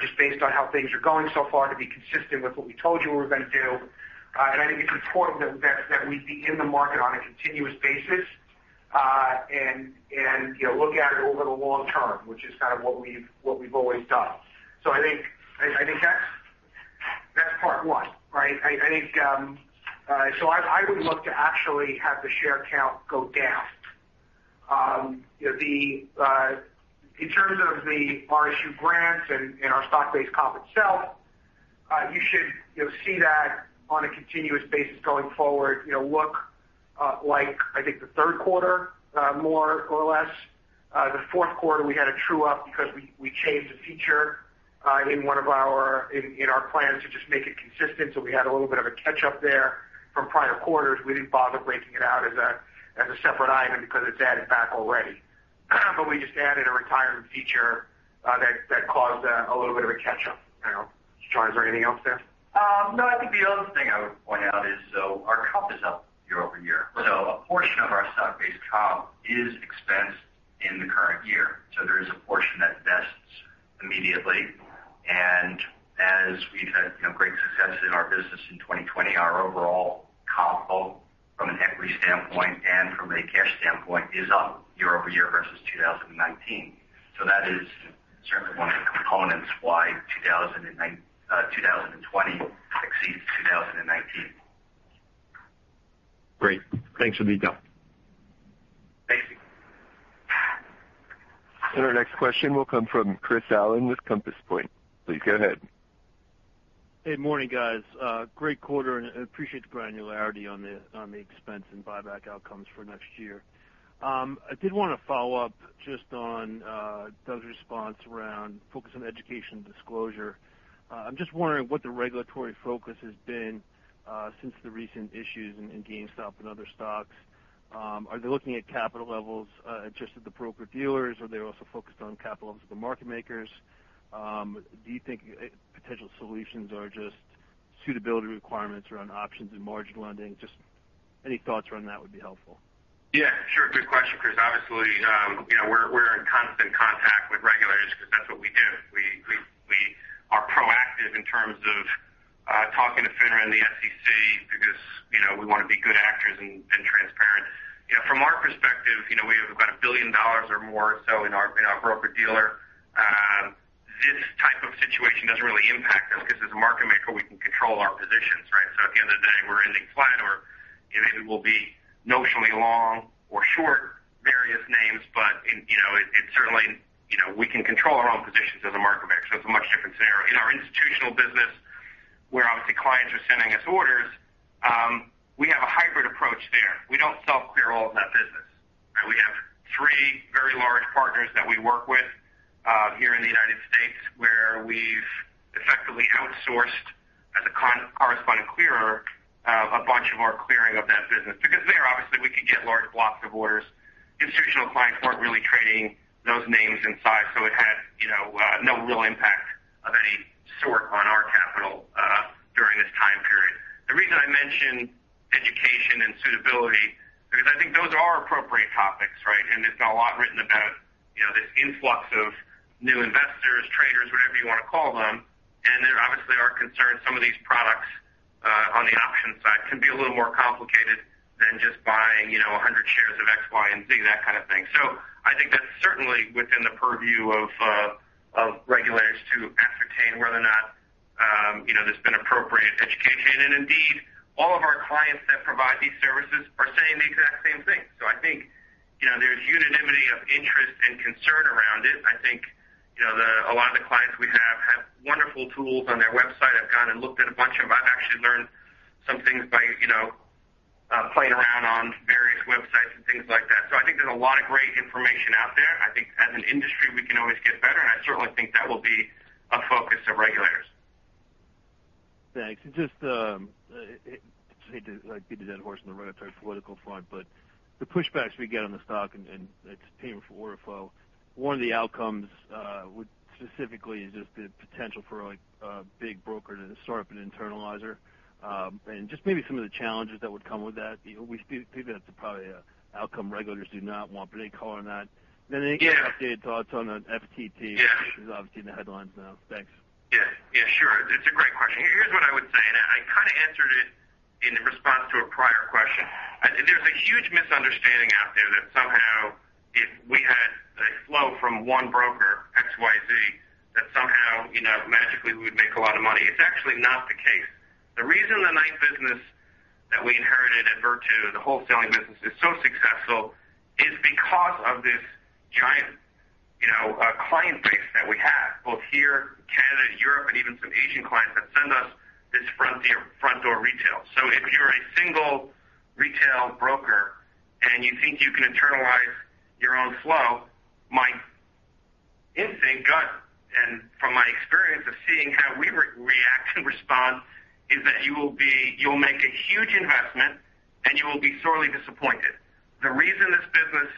Speaker 5: just based on how things are going so far to be consistent with what we told you we were going to do. And I think it's important that we be in the market on a continuous basis and look at it over the long term, which is kind of what we've always done. So I think that's part one, right? So I would love to actually have the share count go down. In terms of the RSU grants and our stock-based comp itself, you should see that on a continuous basis going forward. Looks like, I think, the third quarter more or less. The fourth quarter, we had a true-up because we changed a feature in one of our plans to just make it consistent. So we had a little bit of a catch-up there from prior quarters. We didn't bother breaking it out as a separate item because it's added back already. But we just added a retirement feature that caused a little bit of a catch-up. Sean, is there anything else there? No, I think the other thing I would point out is our comp is up year over year. So a portion of our stock-based comp is expensed in the current year. So there is a portion that vests immediately, and as we've had great success in our business in 2020, our overall comp, both from an equity standpoint and from a cash standpoint, is up year over year versus 2019, so that is certainly one of the components why 2020 exceeds 2019.
Speaker 9: Great. Thanks for the detail.
Speaker 3: Thank you.
Speaker 1: And our next question will come from Chris Allen with Compass Point. Please go ahead.
Speaker 10: Hey, morning, guys. Great quarter, and I appreciate the granularity on the expense and buyback outcomes for next year. I did want to follow up just on Doug's response around focus on education and disclosure. I'm just wondering what the regulatory focus has been since the recent issues in GameStop and other stocks. Are they looking at capital levels just at the broker-dealers, or are they also focused on capital levels of the market makers? Do you think potential solutions are just suitability requirements around options and margin lending? Just any thoughts around that would be helpful.
Speaker 3: Yeah. Sure. Good question, Chris. Obviously, we're in constant contact with regulators because that's what we do. We are proactive in terms of talking to FINRA and the SEC because we want to be good actors and transparent. From our perspective, we have about $1 billion or more or so in our broker-dealer. This type of situation doesn't really impact us because as a market maker, we can control our positions, right? So at the end of the day, we're ending flat, or maybe we'll be notionally long or short various names, but certainly we can control our own positions as a market maker. So it's a much different scenario. In our institutional business, where obviously clients are sending us orders, we have a hybrid approach there. We don't self-clear all of that business, right? We have three very large partners that we work with here in the United States where we've effectively outsourced, as a correspondent clearer, a bunch of our clearing of that business. Because there, obviously, we could get large blocks of orders. Institutional clients weren't really trading those names inside, so it had no real impact of any sort on our capital during this time period. The reason I mention education and suitability is because I think those are appropriate topics, right, and there's been a lot written about this influx of new investors, traders, whatever you want to call them, and there obviously are concerns some of these products on the option side can be a little more complicated than just buying 100 shares of X, Y, and Z, that kind of thing. So I think that's certainly within the purview of regulators to ascertain whether or not there's been appropriate education. And indeed, all of our clients that provide these services are saying the exact same thing. So I think there's unanimity of interest and concern around it. I think a lot of the clients we have have wonderful tools on their website. I've gone and looked at a bunch of them. I've actually learned some things by playing around on various websites and things like that. So I think there's a lot of great information out there. I think as an industry, we can always get better, and I certainly think that will be a focus of regulators.
Speaker 10: Thanks. And just to beat a dead horse on the regulatory front, but the pushbacks we get on the stock and its payment for order flow, one of the outcomes specifically is just the potential for a big broker to start up an internalizer and just maybe some of the challenges that would come with that. We think that's probably an outcome regulators do not want, but they call on that. Then any updated thoughts on FTT?
Speaker 3: Yeah.
Speaker 10: It's obviously in the headlines now. Thanks.
Speaker 3: Yeah. Yeah. Sure. It's a great question. Here's what I would say, and I kind of answered it in response to a prior question. There's a huge misunderstanding out there that somehow if we had a flow from one broker, X, Y, Z, that somehow magically we would make a lot of money. It's actually not the case. The reason the Knight business that we inherited at Virtu and the wholesaling business is so successful is because of this giant client base that we have, both here, Canada, Europe, and even some Asian clients that send us this Frontier front-door retail. So if you're a single retail broker and you think you can internalize your own flow, my gut instinct and from my experience of seeing how we react and respond is that you'll make a huge investment, and you will be sorely disappointed. The reason this business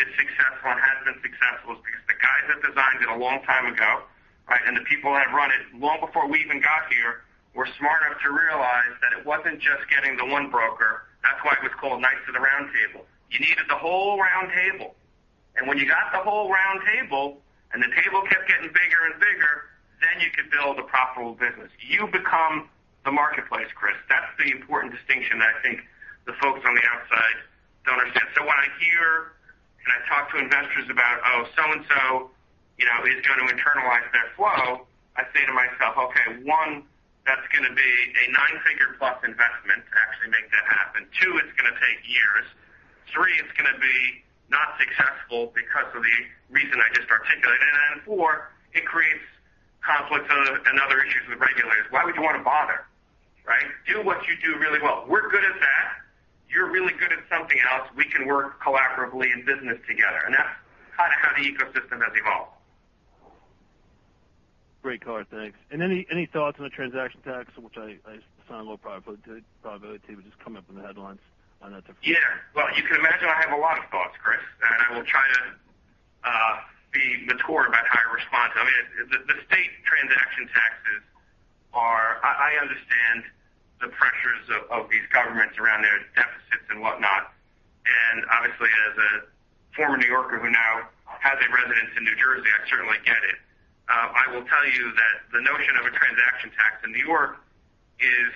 Speaker 3: is successful and has been successful is because the guys that designed it a long time ago, right, and the people that have run it long before we even got here were smart enough to realize that it wasn't just getting the one broker. That's why it was called Knight of the Round Table. You needed the whole round table. And when you got the whole round table and the table kept getting bigger and bigger, then you could build a profitable business. You become the marketplace, Chris. That's the important distinction that I think the folks on the outside don't understand. So when I hear and I talk to investors about, "Oh, so-and-so is going to internalize their flow," I say to myself, "Okay, one, that's going to be a nine-figure-plus investment to actually make that happen. Two, it's going to take years. Three, it's going to be not successful because of the reason I just articulated. And then four, it creates conflicts and other issues with regulators. Why would you want to bother, right? Do what you do really well. We're good at that. You're really good at something else. We can work collaboratively in business together." And that's kind of how the ecosystem has evolved.
Speaker 10: Great question. Thanks. And any thoughts on the transaction tax, which I assign low probability to, but just coming up in the headlines on that different?
Speaker 3: Yeah. Well, you can imagine I have a lot of thoughts, Chris, and I will try to be mature about how I respond to it. I mean, the state transaction taxes are. I understand the pressures of these governments around their deficits and whatnot. And obviously, as a former New Yorker who now has a residence in New Jersey, I certainly get it. I will tell you that the notion of a transaction tax in New York is.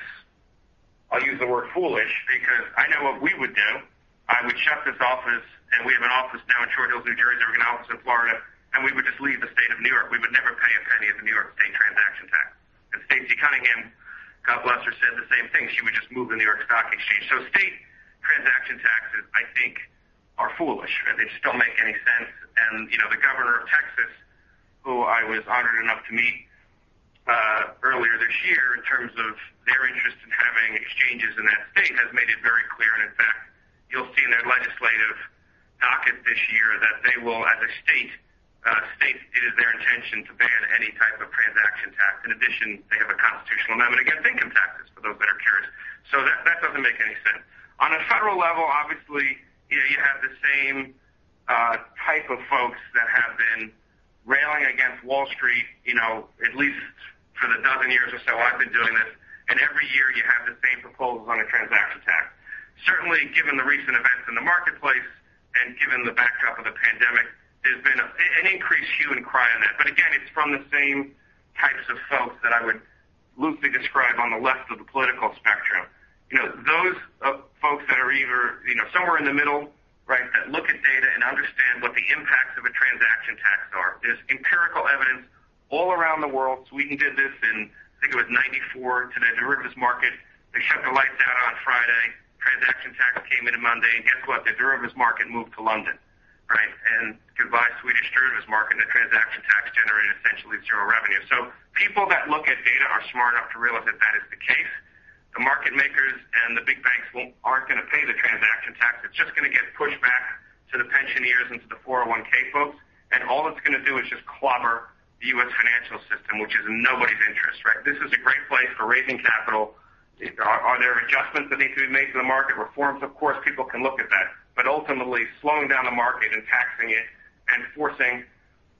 Speaker 3: I'll use the word foolish because I know what we would do. I would shut this office, and we have an office now in Short Hills, New Jersey. We're going to have an office in Florida, and we would just leave the state of New York. We would never pay a penny of the New York state transaction tax. And Stacey Cunningham, God bless her, said the same thing. She would just move the New York Stock Exchange so state transaction taxes, I think, are foolish, and they just don't make any sense, and the governor of Texas, who I was honored enough to meet earlier this year in terms of their interest in having exchanges in that state, has made it very clear. In fact, you'll see in their legislative docket this year that they will, as a state, state it is their intention to ban any type of transaction tax. In addition, they have a constitutional amendment against income taxes for those that are curious so that doesn't make any sense. On a federal level, obviously, you have the same type of folks that have been railing against Wall Street at least for the dozen years or so I've been doing this, and every year, you have the same proposals on a transaction tax. Certainly, given the recent events in the marketplace and given the backdrop of the pandemic, there's been an increased hue and cry on that. But again, it's from the same types of folks that I would loosely describe on the left of the political spectrum. Those folks that are either somewhere in the middle, right, that look at data and understand what the impacts of a transaction tax are. There's empirical evidence all around the world. Sweden did this, and I think it was 1994 to their derivatives market. They shut the lights out on Friday. Transaction tax came in Monday. And guess what? Their derivatives market moved to London, right? And goodbye, Swedish derivatives market. And the transaction tax generated essentially zero revenue. So people that look at data are smart enough to realize that that is the case. The market makers and the big banks aren't going to pay the transaction tax. It's just going to get pushed back to the pensioners and to the 401(k) folks. And all it's going to do is just clobber the U.S. financial system, which is in nobody's interest, right? This is a great place for raising capital. Are there adjustments that need to be made to the market? Reforms, of course, people can look at that. But ultimately, slowing down the market and taxing it and forcing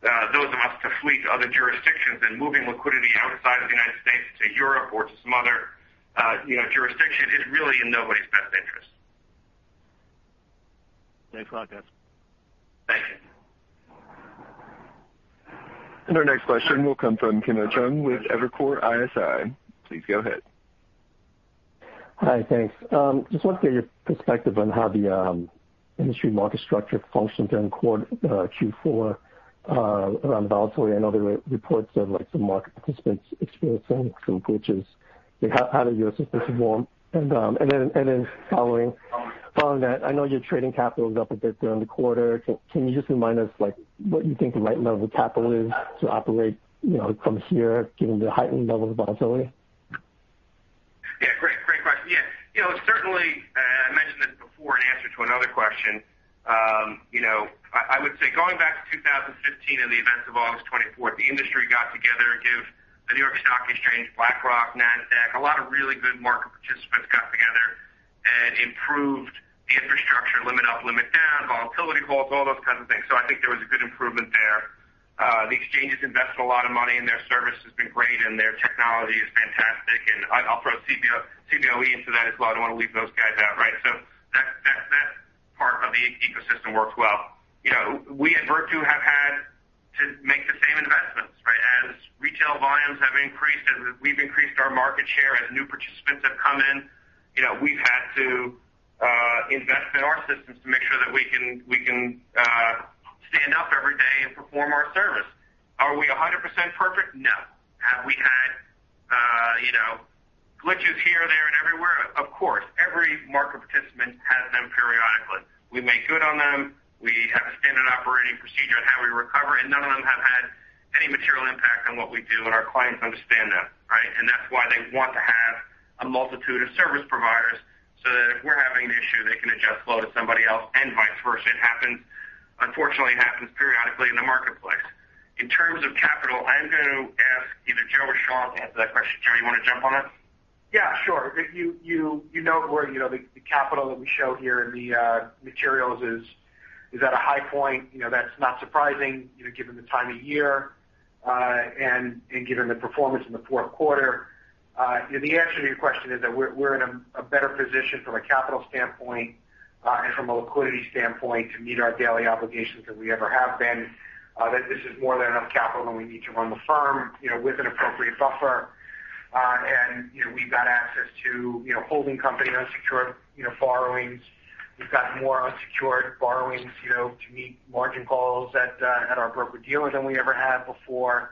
Speaker 3: those of us to flee to other jurisdictions and moving liquidity outside of the United States to Europe or to some other jurisdiction is really in nobody's best interest.
Speaker 10: Thanks a lot, guys.
Speaker 3: Thank you.
Speaker 1: Our next question will come from Gautam Sawant with Evercore ISI. Please go ahead.
Speaker 11: Hi. Thanks. Just wanted to get your perspective on how the industry market structure functioned during quarter Q4 around the volatility. I know there were reports of some market participants experiencing some glitches. How did your system perform? And then following that, I know your trading capital was up a bit during the quarter. Can you just remind us what you think the right level of capital is to operate from here given the heightened level of volatility?
Speaker 3: Yeah. Great. Great question. Yeah. Certainly, I mentioned this before in answer to another question. I would say going back to 2015 and the events of August 24th, the industry got together and gave the New York Stock Exchange, BlackRock, Nasdaq, a lot of really good market participants got together and improved the infrastructure, Limit Up-Limit Down, volatility halts, all those kinds of things. So I think there was a good improvement there. The exchange has invested a lot of money, and their service has been great, and their technology is fantastic. And I'll throw Cboe into that as well. I don't want to leave those guys out, right? So that part of the ecosystem worked well. We at Virtu have had to make the same investments, right? As retail volumes have increased, as we've increased our market share, as new participants have come in, we've had to invest in our systems to make sure that we can stand up every day and perform our service. Are we 100% perfect? No. Have we had glitches here, there, and everywhere? Of course. Every market participant has them periodically. We make good on them. We have a standard operating procedure on how we recover, and none of them have had any material impact on what we do, and our clients understand that, right? And that's why they want to have a multitude of service providers so that if we're having an issue, they can adjust flow to somebody else and vice versa. It happens. Unfortunately, it happens periodically in the marketplace. In terms of capital, I'm going to ask either Joe or Sean to answer that question. Joe, you want to jump on it?
Speaker 4: Yeah. Sure. You note where the capital that we show here in the materials is at a high point. That's not surprising given the time of year and given the performance in the fourth quarter. The answer to your question is that we're in a better position from a capital standpoint and from a liquidity standpoint to meet our daily obligations than we ever have been, that this is more than enough capital than we need to run the firm with an appropriate buffer. And we've got access to holding company unsecured borrowings. We've got more unsecured borrowings to meet margin calls at our broker-dealer than we ever had before.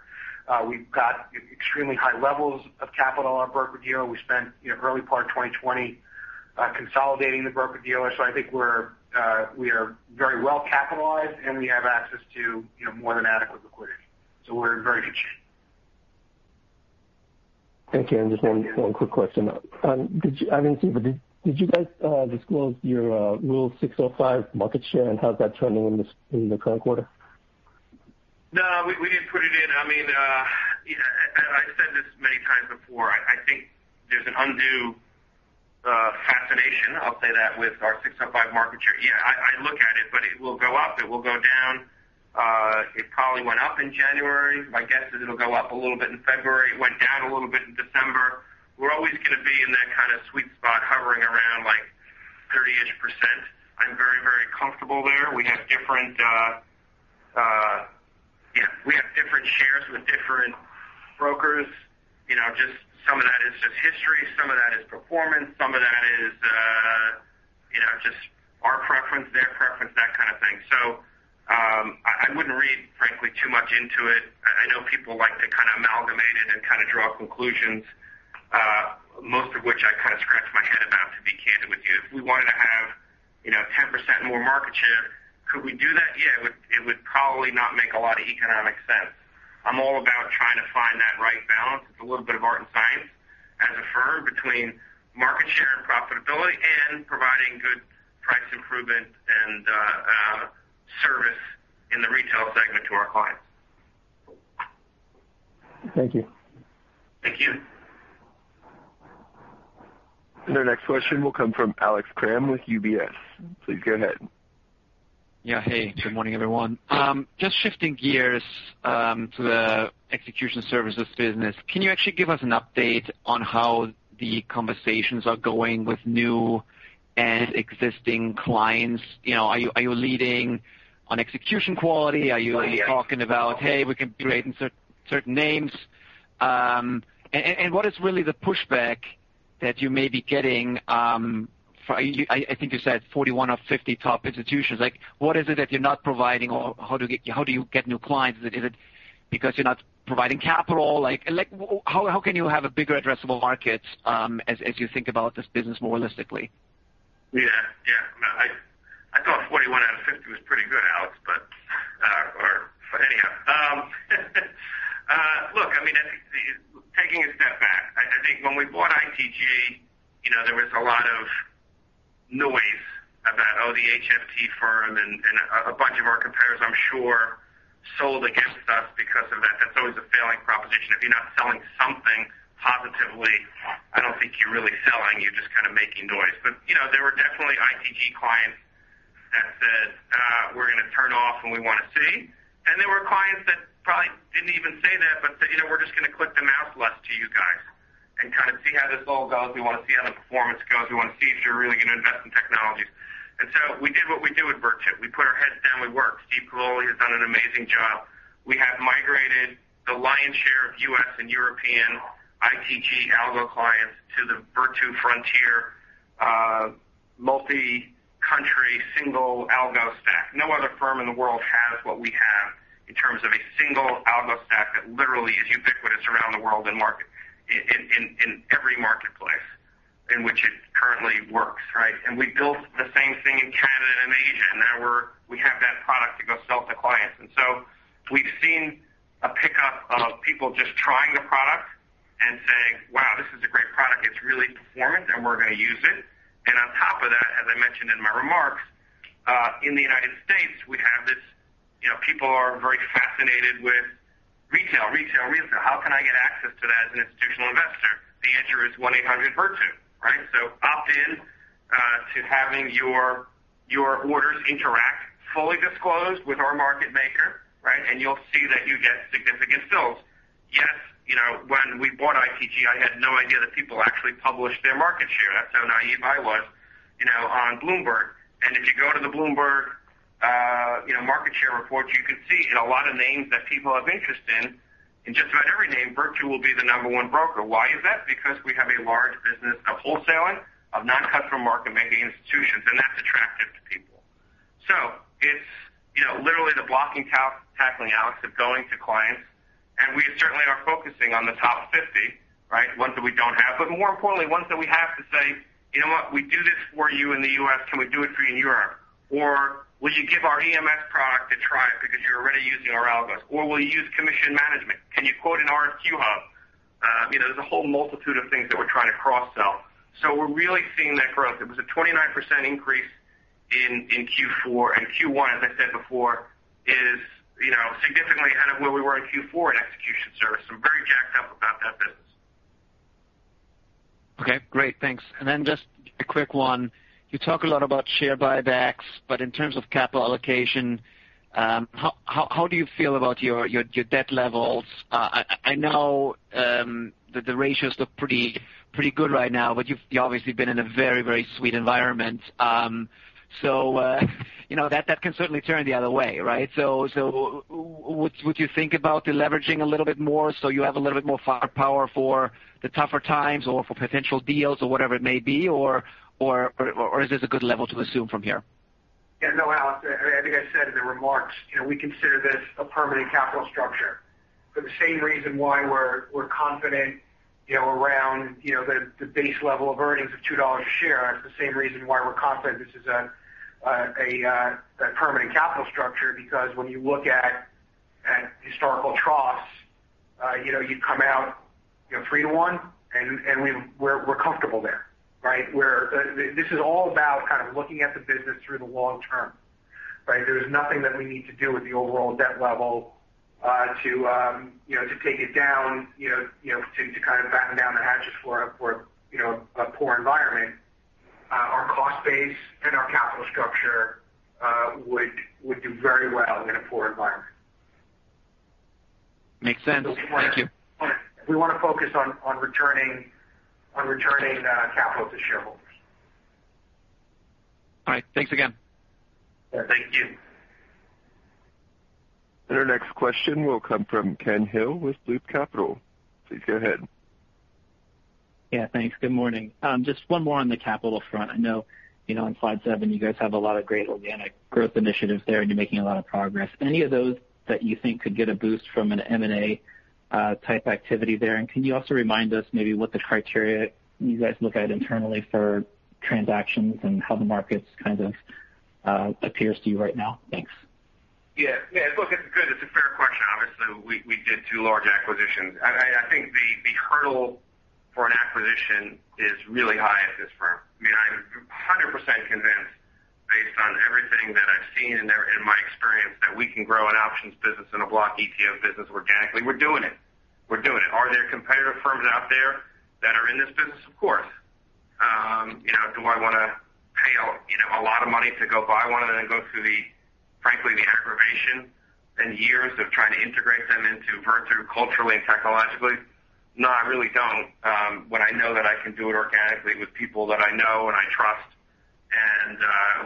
Speaker 4: We've got extremely high levels of capital on our broker-dealer. We spent early part of 2020 consolidating the broker-dealer. So I think we're very well capitalized, and we have access to more than adequate liquidity. So we're in very good shape.
Speaker 11: Thank you. And just one quick question. I didn't see, but did you guys disclose your Rule 605 market share and how's that trending in the current quarter?
Speaker 3: No, we didn't put it in. I mean, I've said this many times before. I think there's an undue fascination, I'll say that, with our 605 market share. Yeah, I look at it, but it will go up. It will go down. It probably went up in January. My guess is it'll go up a little bit in February. It went down a little bit in December. We're always going to be in that kind of sweet spot hovering around like 30-ish%. I'm very, very comfortable there. We have different shares with different brokers. Just some of that is just history. Some of that is performance. Some of that is just our preference, their preference, that kind of thing. So I wouldn't read, frankly, too much into it. I know people like to kind of amalgamate it and kind of draw conclusions, most of which I kind of scratch my head about, to be candid with you. If we wanted to have 10% more market share, could we do that? Yeah, it would probably not make a lot of economic sense. I'm all about trying to find that right balance. It's a little bit of art and science as a firm between market share and profitability and providing good price improvement and service in the retail segment to our clients.
Speaker 11: Thank you.
Speaker 3: Thank you.
Speaker 1: And our next question will come from Alex Kramm with UBS. Please go ahead.
Speaker 12: Yeah. Hey. Good morning, everyone. Just shifting gears to the execution services business, can you actually give us an update on how the conversations are going with new and existing clients? Are you leading on execution quality? Are you talking about, "Hey, we can create certain names"? And what is really the pushback that you may be getting from, I think you said, 41 or 50 top institutions? What is it that you're not providing, or how do you get new clients? Is it because you're not providing capital? How can you have a bigger addressable market as you think about this business more holistically?
Speaker 3: Yeah. Yeah. I thought 41 out of 50 was pretty good, Alex, but anyhow. Look, I mean, taking a step back, I think when we bought ITG, there was a lot of noise about, "Oh, the HFT firm," and a bunch of our competitors, I'm sure, sold against us because of that. That's always a failing proposition. If you're not selling something positively, I don't think you're really selling. You're just kind of making noise. But there were definitely ITG clients that said, "We're going to turn off when we want to see." And there were clients that probably didn't even say that, but said, "We're just going to click the mouse less to you guys and kind of see how this all goes. We want to see how the performance goes. We want to see if you're really going to invest in technologies." And so we did what we do at Virtu. We put our heads down. We worked. Steve Cavoli has done an amazing job. We have migrated the lion's share of U.S. and European ITG algo clients to the Virtu Frontier multi-country single algo stack. No other firm in the world has what we have in terms of a single algo stack that literally is ubiquitous around the world and in every marketplace in which it currently works, right? And we built the same thing in Canada and Asia. Now we have that product to go sell to clients. And so we've seen a pickup of people just trying the product and saying, "Wow, this is a great product. It's really performant, and we're going to use it." And on top of that, as I mentioned in my remarks, in the United States, we have this. People are very fascinated with retail, retail, retail. How can I get access to that as an institutional investor? The answer is 1-800-Virtu, right? So opt in to having your orders interact fully disclosed with our market maker, right? And you'll see that you get significant fills. Yes, when we bought ITG, I had no idea that people actually published their market share. That's how naive I was on Bloomberg. And if you go to the Bloomberg market share report, you can see in a lot of names that people have interest in, in just about every name, Virtu will be the number one broker. Why is that? Because we have a large business of wholesaling, of non-customer market-making institutions, and that's attractive to people. So it's literally the blocking tackling, Alex, of going to clients. And we certainly are focusing on the top 50, right? Ones that we don't have, but more importantly, ones that we have to say, "You know what? We do this for you in the U.S. Can we do it for you in Europe?" Or, "Will you give our EMS product a try because you're already using our algos?" Or, "Will you use commission management? Can you quote an RFQ-hub?" There's a whole multitude of things that we're trying to cross-sell. So we're really seeing that growth. It was a 29% increase in Q4. And Q1, as I said before, is significantly ahead of where we were in Q4 in execution service. I'm very jacked up about that business.
Speaker 12: Okay. Great. Thanks, and then just a quick one. You talk a lot about share buybacks, but in terms of capital allocation, how do you feel about your debt levels? I know that the ratios look pretty good right now, but you've obviously been in a very, very sweet environment. So, that can certainly turn the other way, right? Would you think about the leveraging a little bit more so you have a little bit more firepower for the tougher times or for potential deals or whatever it may be? Or is this a good level to assume from here?
Speaker 4: Yeah. No, Alex. I think I said in the remarks, we consider this a permanent capital structure for the same reason why we're confident around the base level of earnings of $2 a share. It's the same reason why we're confident this is a permanent capital structure because when you look at historical troughs, you come out three to one, and we're comfortable there, right? This is all about kind of looking at the business through the long term, right? There is nothing that we need to do with the overall debt level to take it down, to kind of batten down the hatches for a poor environment. Our cost base and our capital structure would do very well in a poor environment.
Speaker 12: Makes sense. Thank you.
Speaker 4: We want to focus on returning capital to shareholders.
Speaker 8: All right. Thanks again.
Speaker 4: Yeah. Thank you.
Speaker 1: Our next question will come from Ken Hill with Loop Capital. Please go ahead.
Speaker 13: Yeah. Thanks. Good morning. Just one more on the capital front. I know on slide seven, you guys have a lot of great organic growth initiatives there, and you're making a lot of progress. Any of those that you think could get a boost from an M&A type activity there? And can you also remind us maybe what the criteria you guys look at internally for transactions and how the markets kind of appears to you right now? Thanks.
Speaker 3: Yeah. Yeah. Look, it's a fair question. Obviously, we did two large acquisitions. I think the hurdle for an acquisition is really high at this firm. I mean, I'm 100% convinced, based on everything that I've seen and my experience, that we can grow an options business and a block ETF business organically. We're doing it. We're doing it. Are there competitive firms out there that are in this business? Of course. Do I want to pay a lot of money to go buy one and then go through, frankly, the aggravation and years of trying to integrate them into Virtu culturally and technologically? No, I really don't. But I know that I can do it organically with people that I know and I trust. And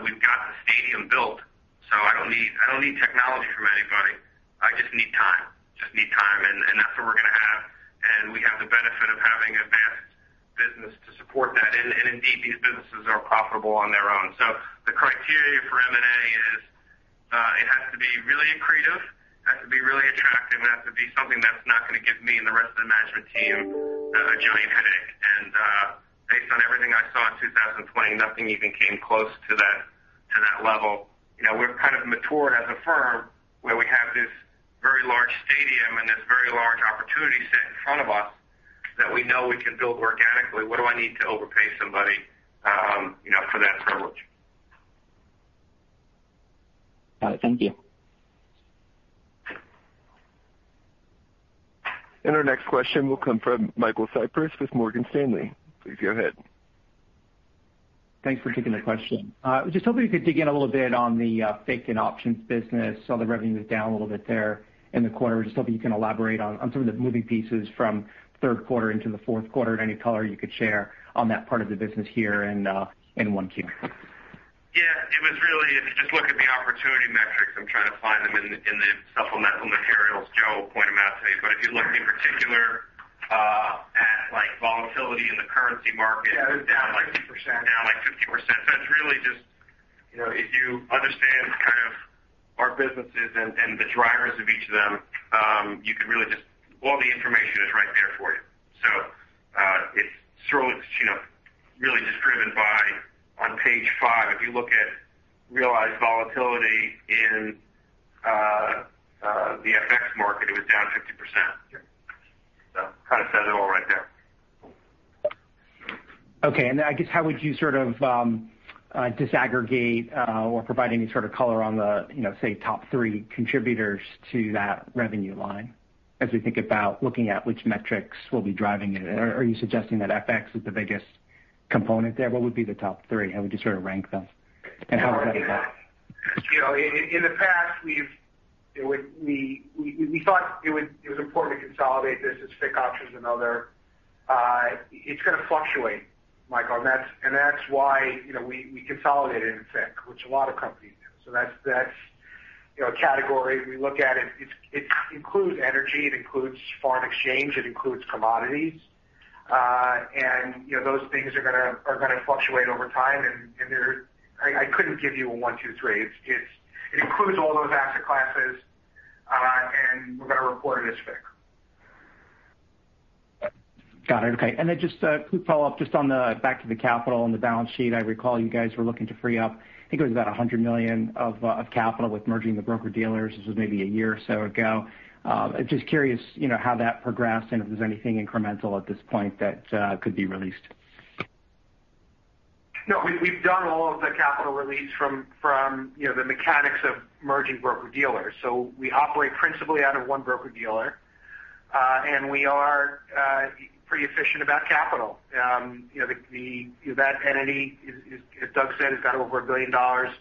Speaker 3: we've got the stadium built, so I don't need technology from anybody. I just need time. Just need time. And that's what we're going to have. And we have the benefit of having advanced business to support that. And indeed, these businesses are profitable on their own. So the criteria for M&A is it has to be really creative. It has to be really attractive. It has to be something that's not going to give me and the rest of the management team a giant headache. And based on everything I saw in 2020, nothing even came close to that level. We're kind of matured as a firm where we have this very large stadium and this very large opportunity set in front of us that we know we can build organically. What do I need to overpay somebody for that privilege?
Speaker 13: Got it. Thank you.
Speaker 1: Our next question will come from Michael Cyprys with Morgan Stanley. Please go ahead.
Speaker 14: Thanks for taking the question. Just hoping you could dig in a little bit on the FX and options business. So the revenue is down a little bit there in the quarter. Just hoping you can elaborate on some of the moving pieces from third quarter into the fourth quarter, any color you could share on that part of the business here in Q1.
Speaker 3: Yeah. It was really, if you just look at the opportunity metrics, I'm trying to find them in the supplemental materials. Joe will point them out to you. But if you look in particular at volatility in the currency market, it was down like 50%. It's down like 50%. So it's really just if you understand kind of our businesses and the drivers of each of them, you can really just all the information is right there for you. So it's really just driven by on page five, if you look at realized volatility in the FX market, it was down 50%. So it kind of says it all right there.
Speaker 13: Okay. And I guess how would you sort of disaggregate or provide any sort of color on the, say, top three contributors to that revenue line as we think about looking at which metrics will be driving it? Are you suggesting that FX is the biggest component there? What would be the top three? How would you sort of rank them? And how would that evolve?
Speaker 4: In the past, we thought it was important to consolidate this as FX options and other. It's going to fluctuate, Michael. And that's why we consolidated in FX, which a lot of companies do. So that's a category. We look at it. It includes energy. It includes foreign exchange. It includes commodities. And those things are going to fluctuate over time. And I couldn't give you a one, two, three. It includes all those asset classes, and we're going to report it as FX.
Speaker 15: Got it. Okay. And then just a quick follow-up just on the back of the capital on the balance sheet. I recall you guys were looking to free up, I think it was about $100 million of capital with merging the broker-dealers. This was maybe a year or so ago. I'm just curious how that progressed and if there's anything incremental at this point that could be released.
Speaker 4: No. We've done all of the capital release from the mechanics of merging broker-dealers. So we operate principally out of one broker-dealer, and we are pretty efficient about capital. That entity, as Doug said, has got over $1 billion of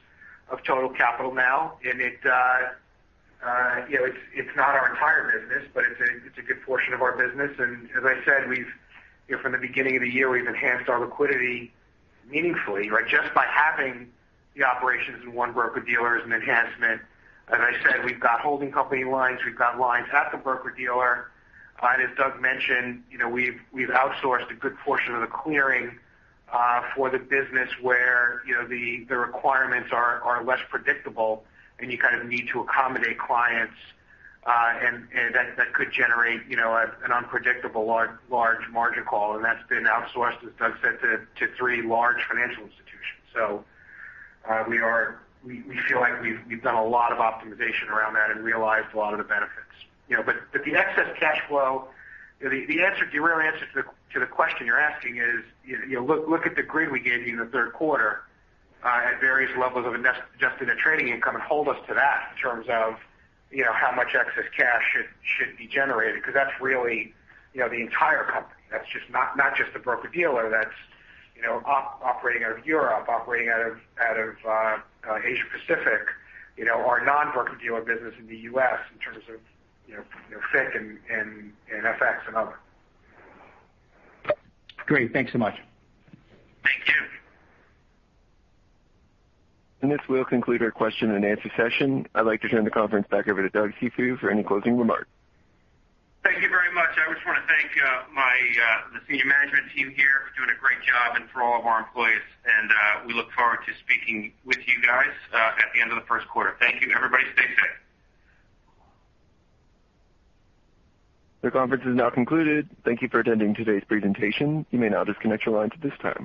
Speaker 4: total capital now. And it's not our entire business, but it's a good portion of our business. And as I said, from the beginning of the year, we've enhanced our liquidity meaningfully, right, just by having the operations in one broker-dealer as an enhancement. As I said, we've got holding company lines. We've got lines at the broker-dealer. And as Doug mentioned, we've outsourced a good portion of the clearing for the business where the requirements are less predictable, and you kind of need to accommodate clients that could generate an unpredictable large margin call. And that's been outsourced, as Doug said, to three large financial institutions. So we feel like we've done a lot of optimization around that and realized a lot of the benefits. But the excess cash flow, the real answer to the question you're asking is look at the grid we gave you in the third quarter at various levels of adjusted trading income and hold us to that in terms of how much excess cash should be generated because that's really the entire company. That's not just the broker-dealer. That's operating out of Europe, operating out of Asia-Pacific, our non-broker-dealer business in the U.S. in terms of futures and FX and other.
Speaker 13: Great. Thanks so much.
Speaker 4: Thank you.
Speaker 1: This will conclude our question and answer session. I'd like to turn the conference back over to Doug Cifu for any closing remarks.
Speaker 3: Thank you very much. I just want to thank the senior management team here for doing a great job and for all of our employees, and we look forward to speaking with you guys at the end of the first quarter. Thank you, everybody. Stay safe.
Speaker 1: The conference is now concluded. Thank you for attending today's presentation. You may now disconnect your lines at this time.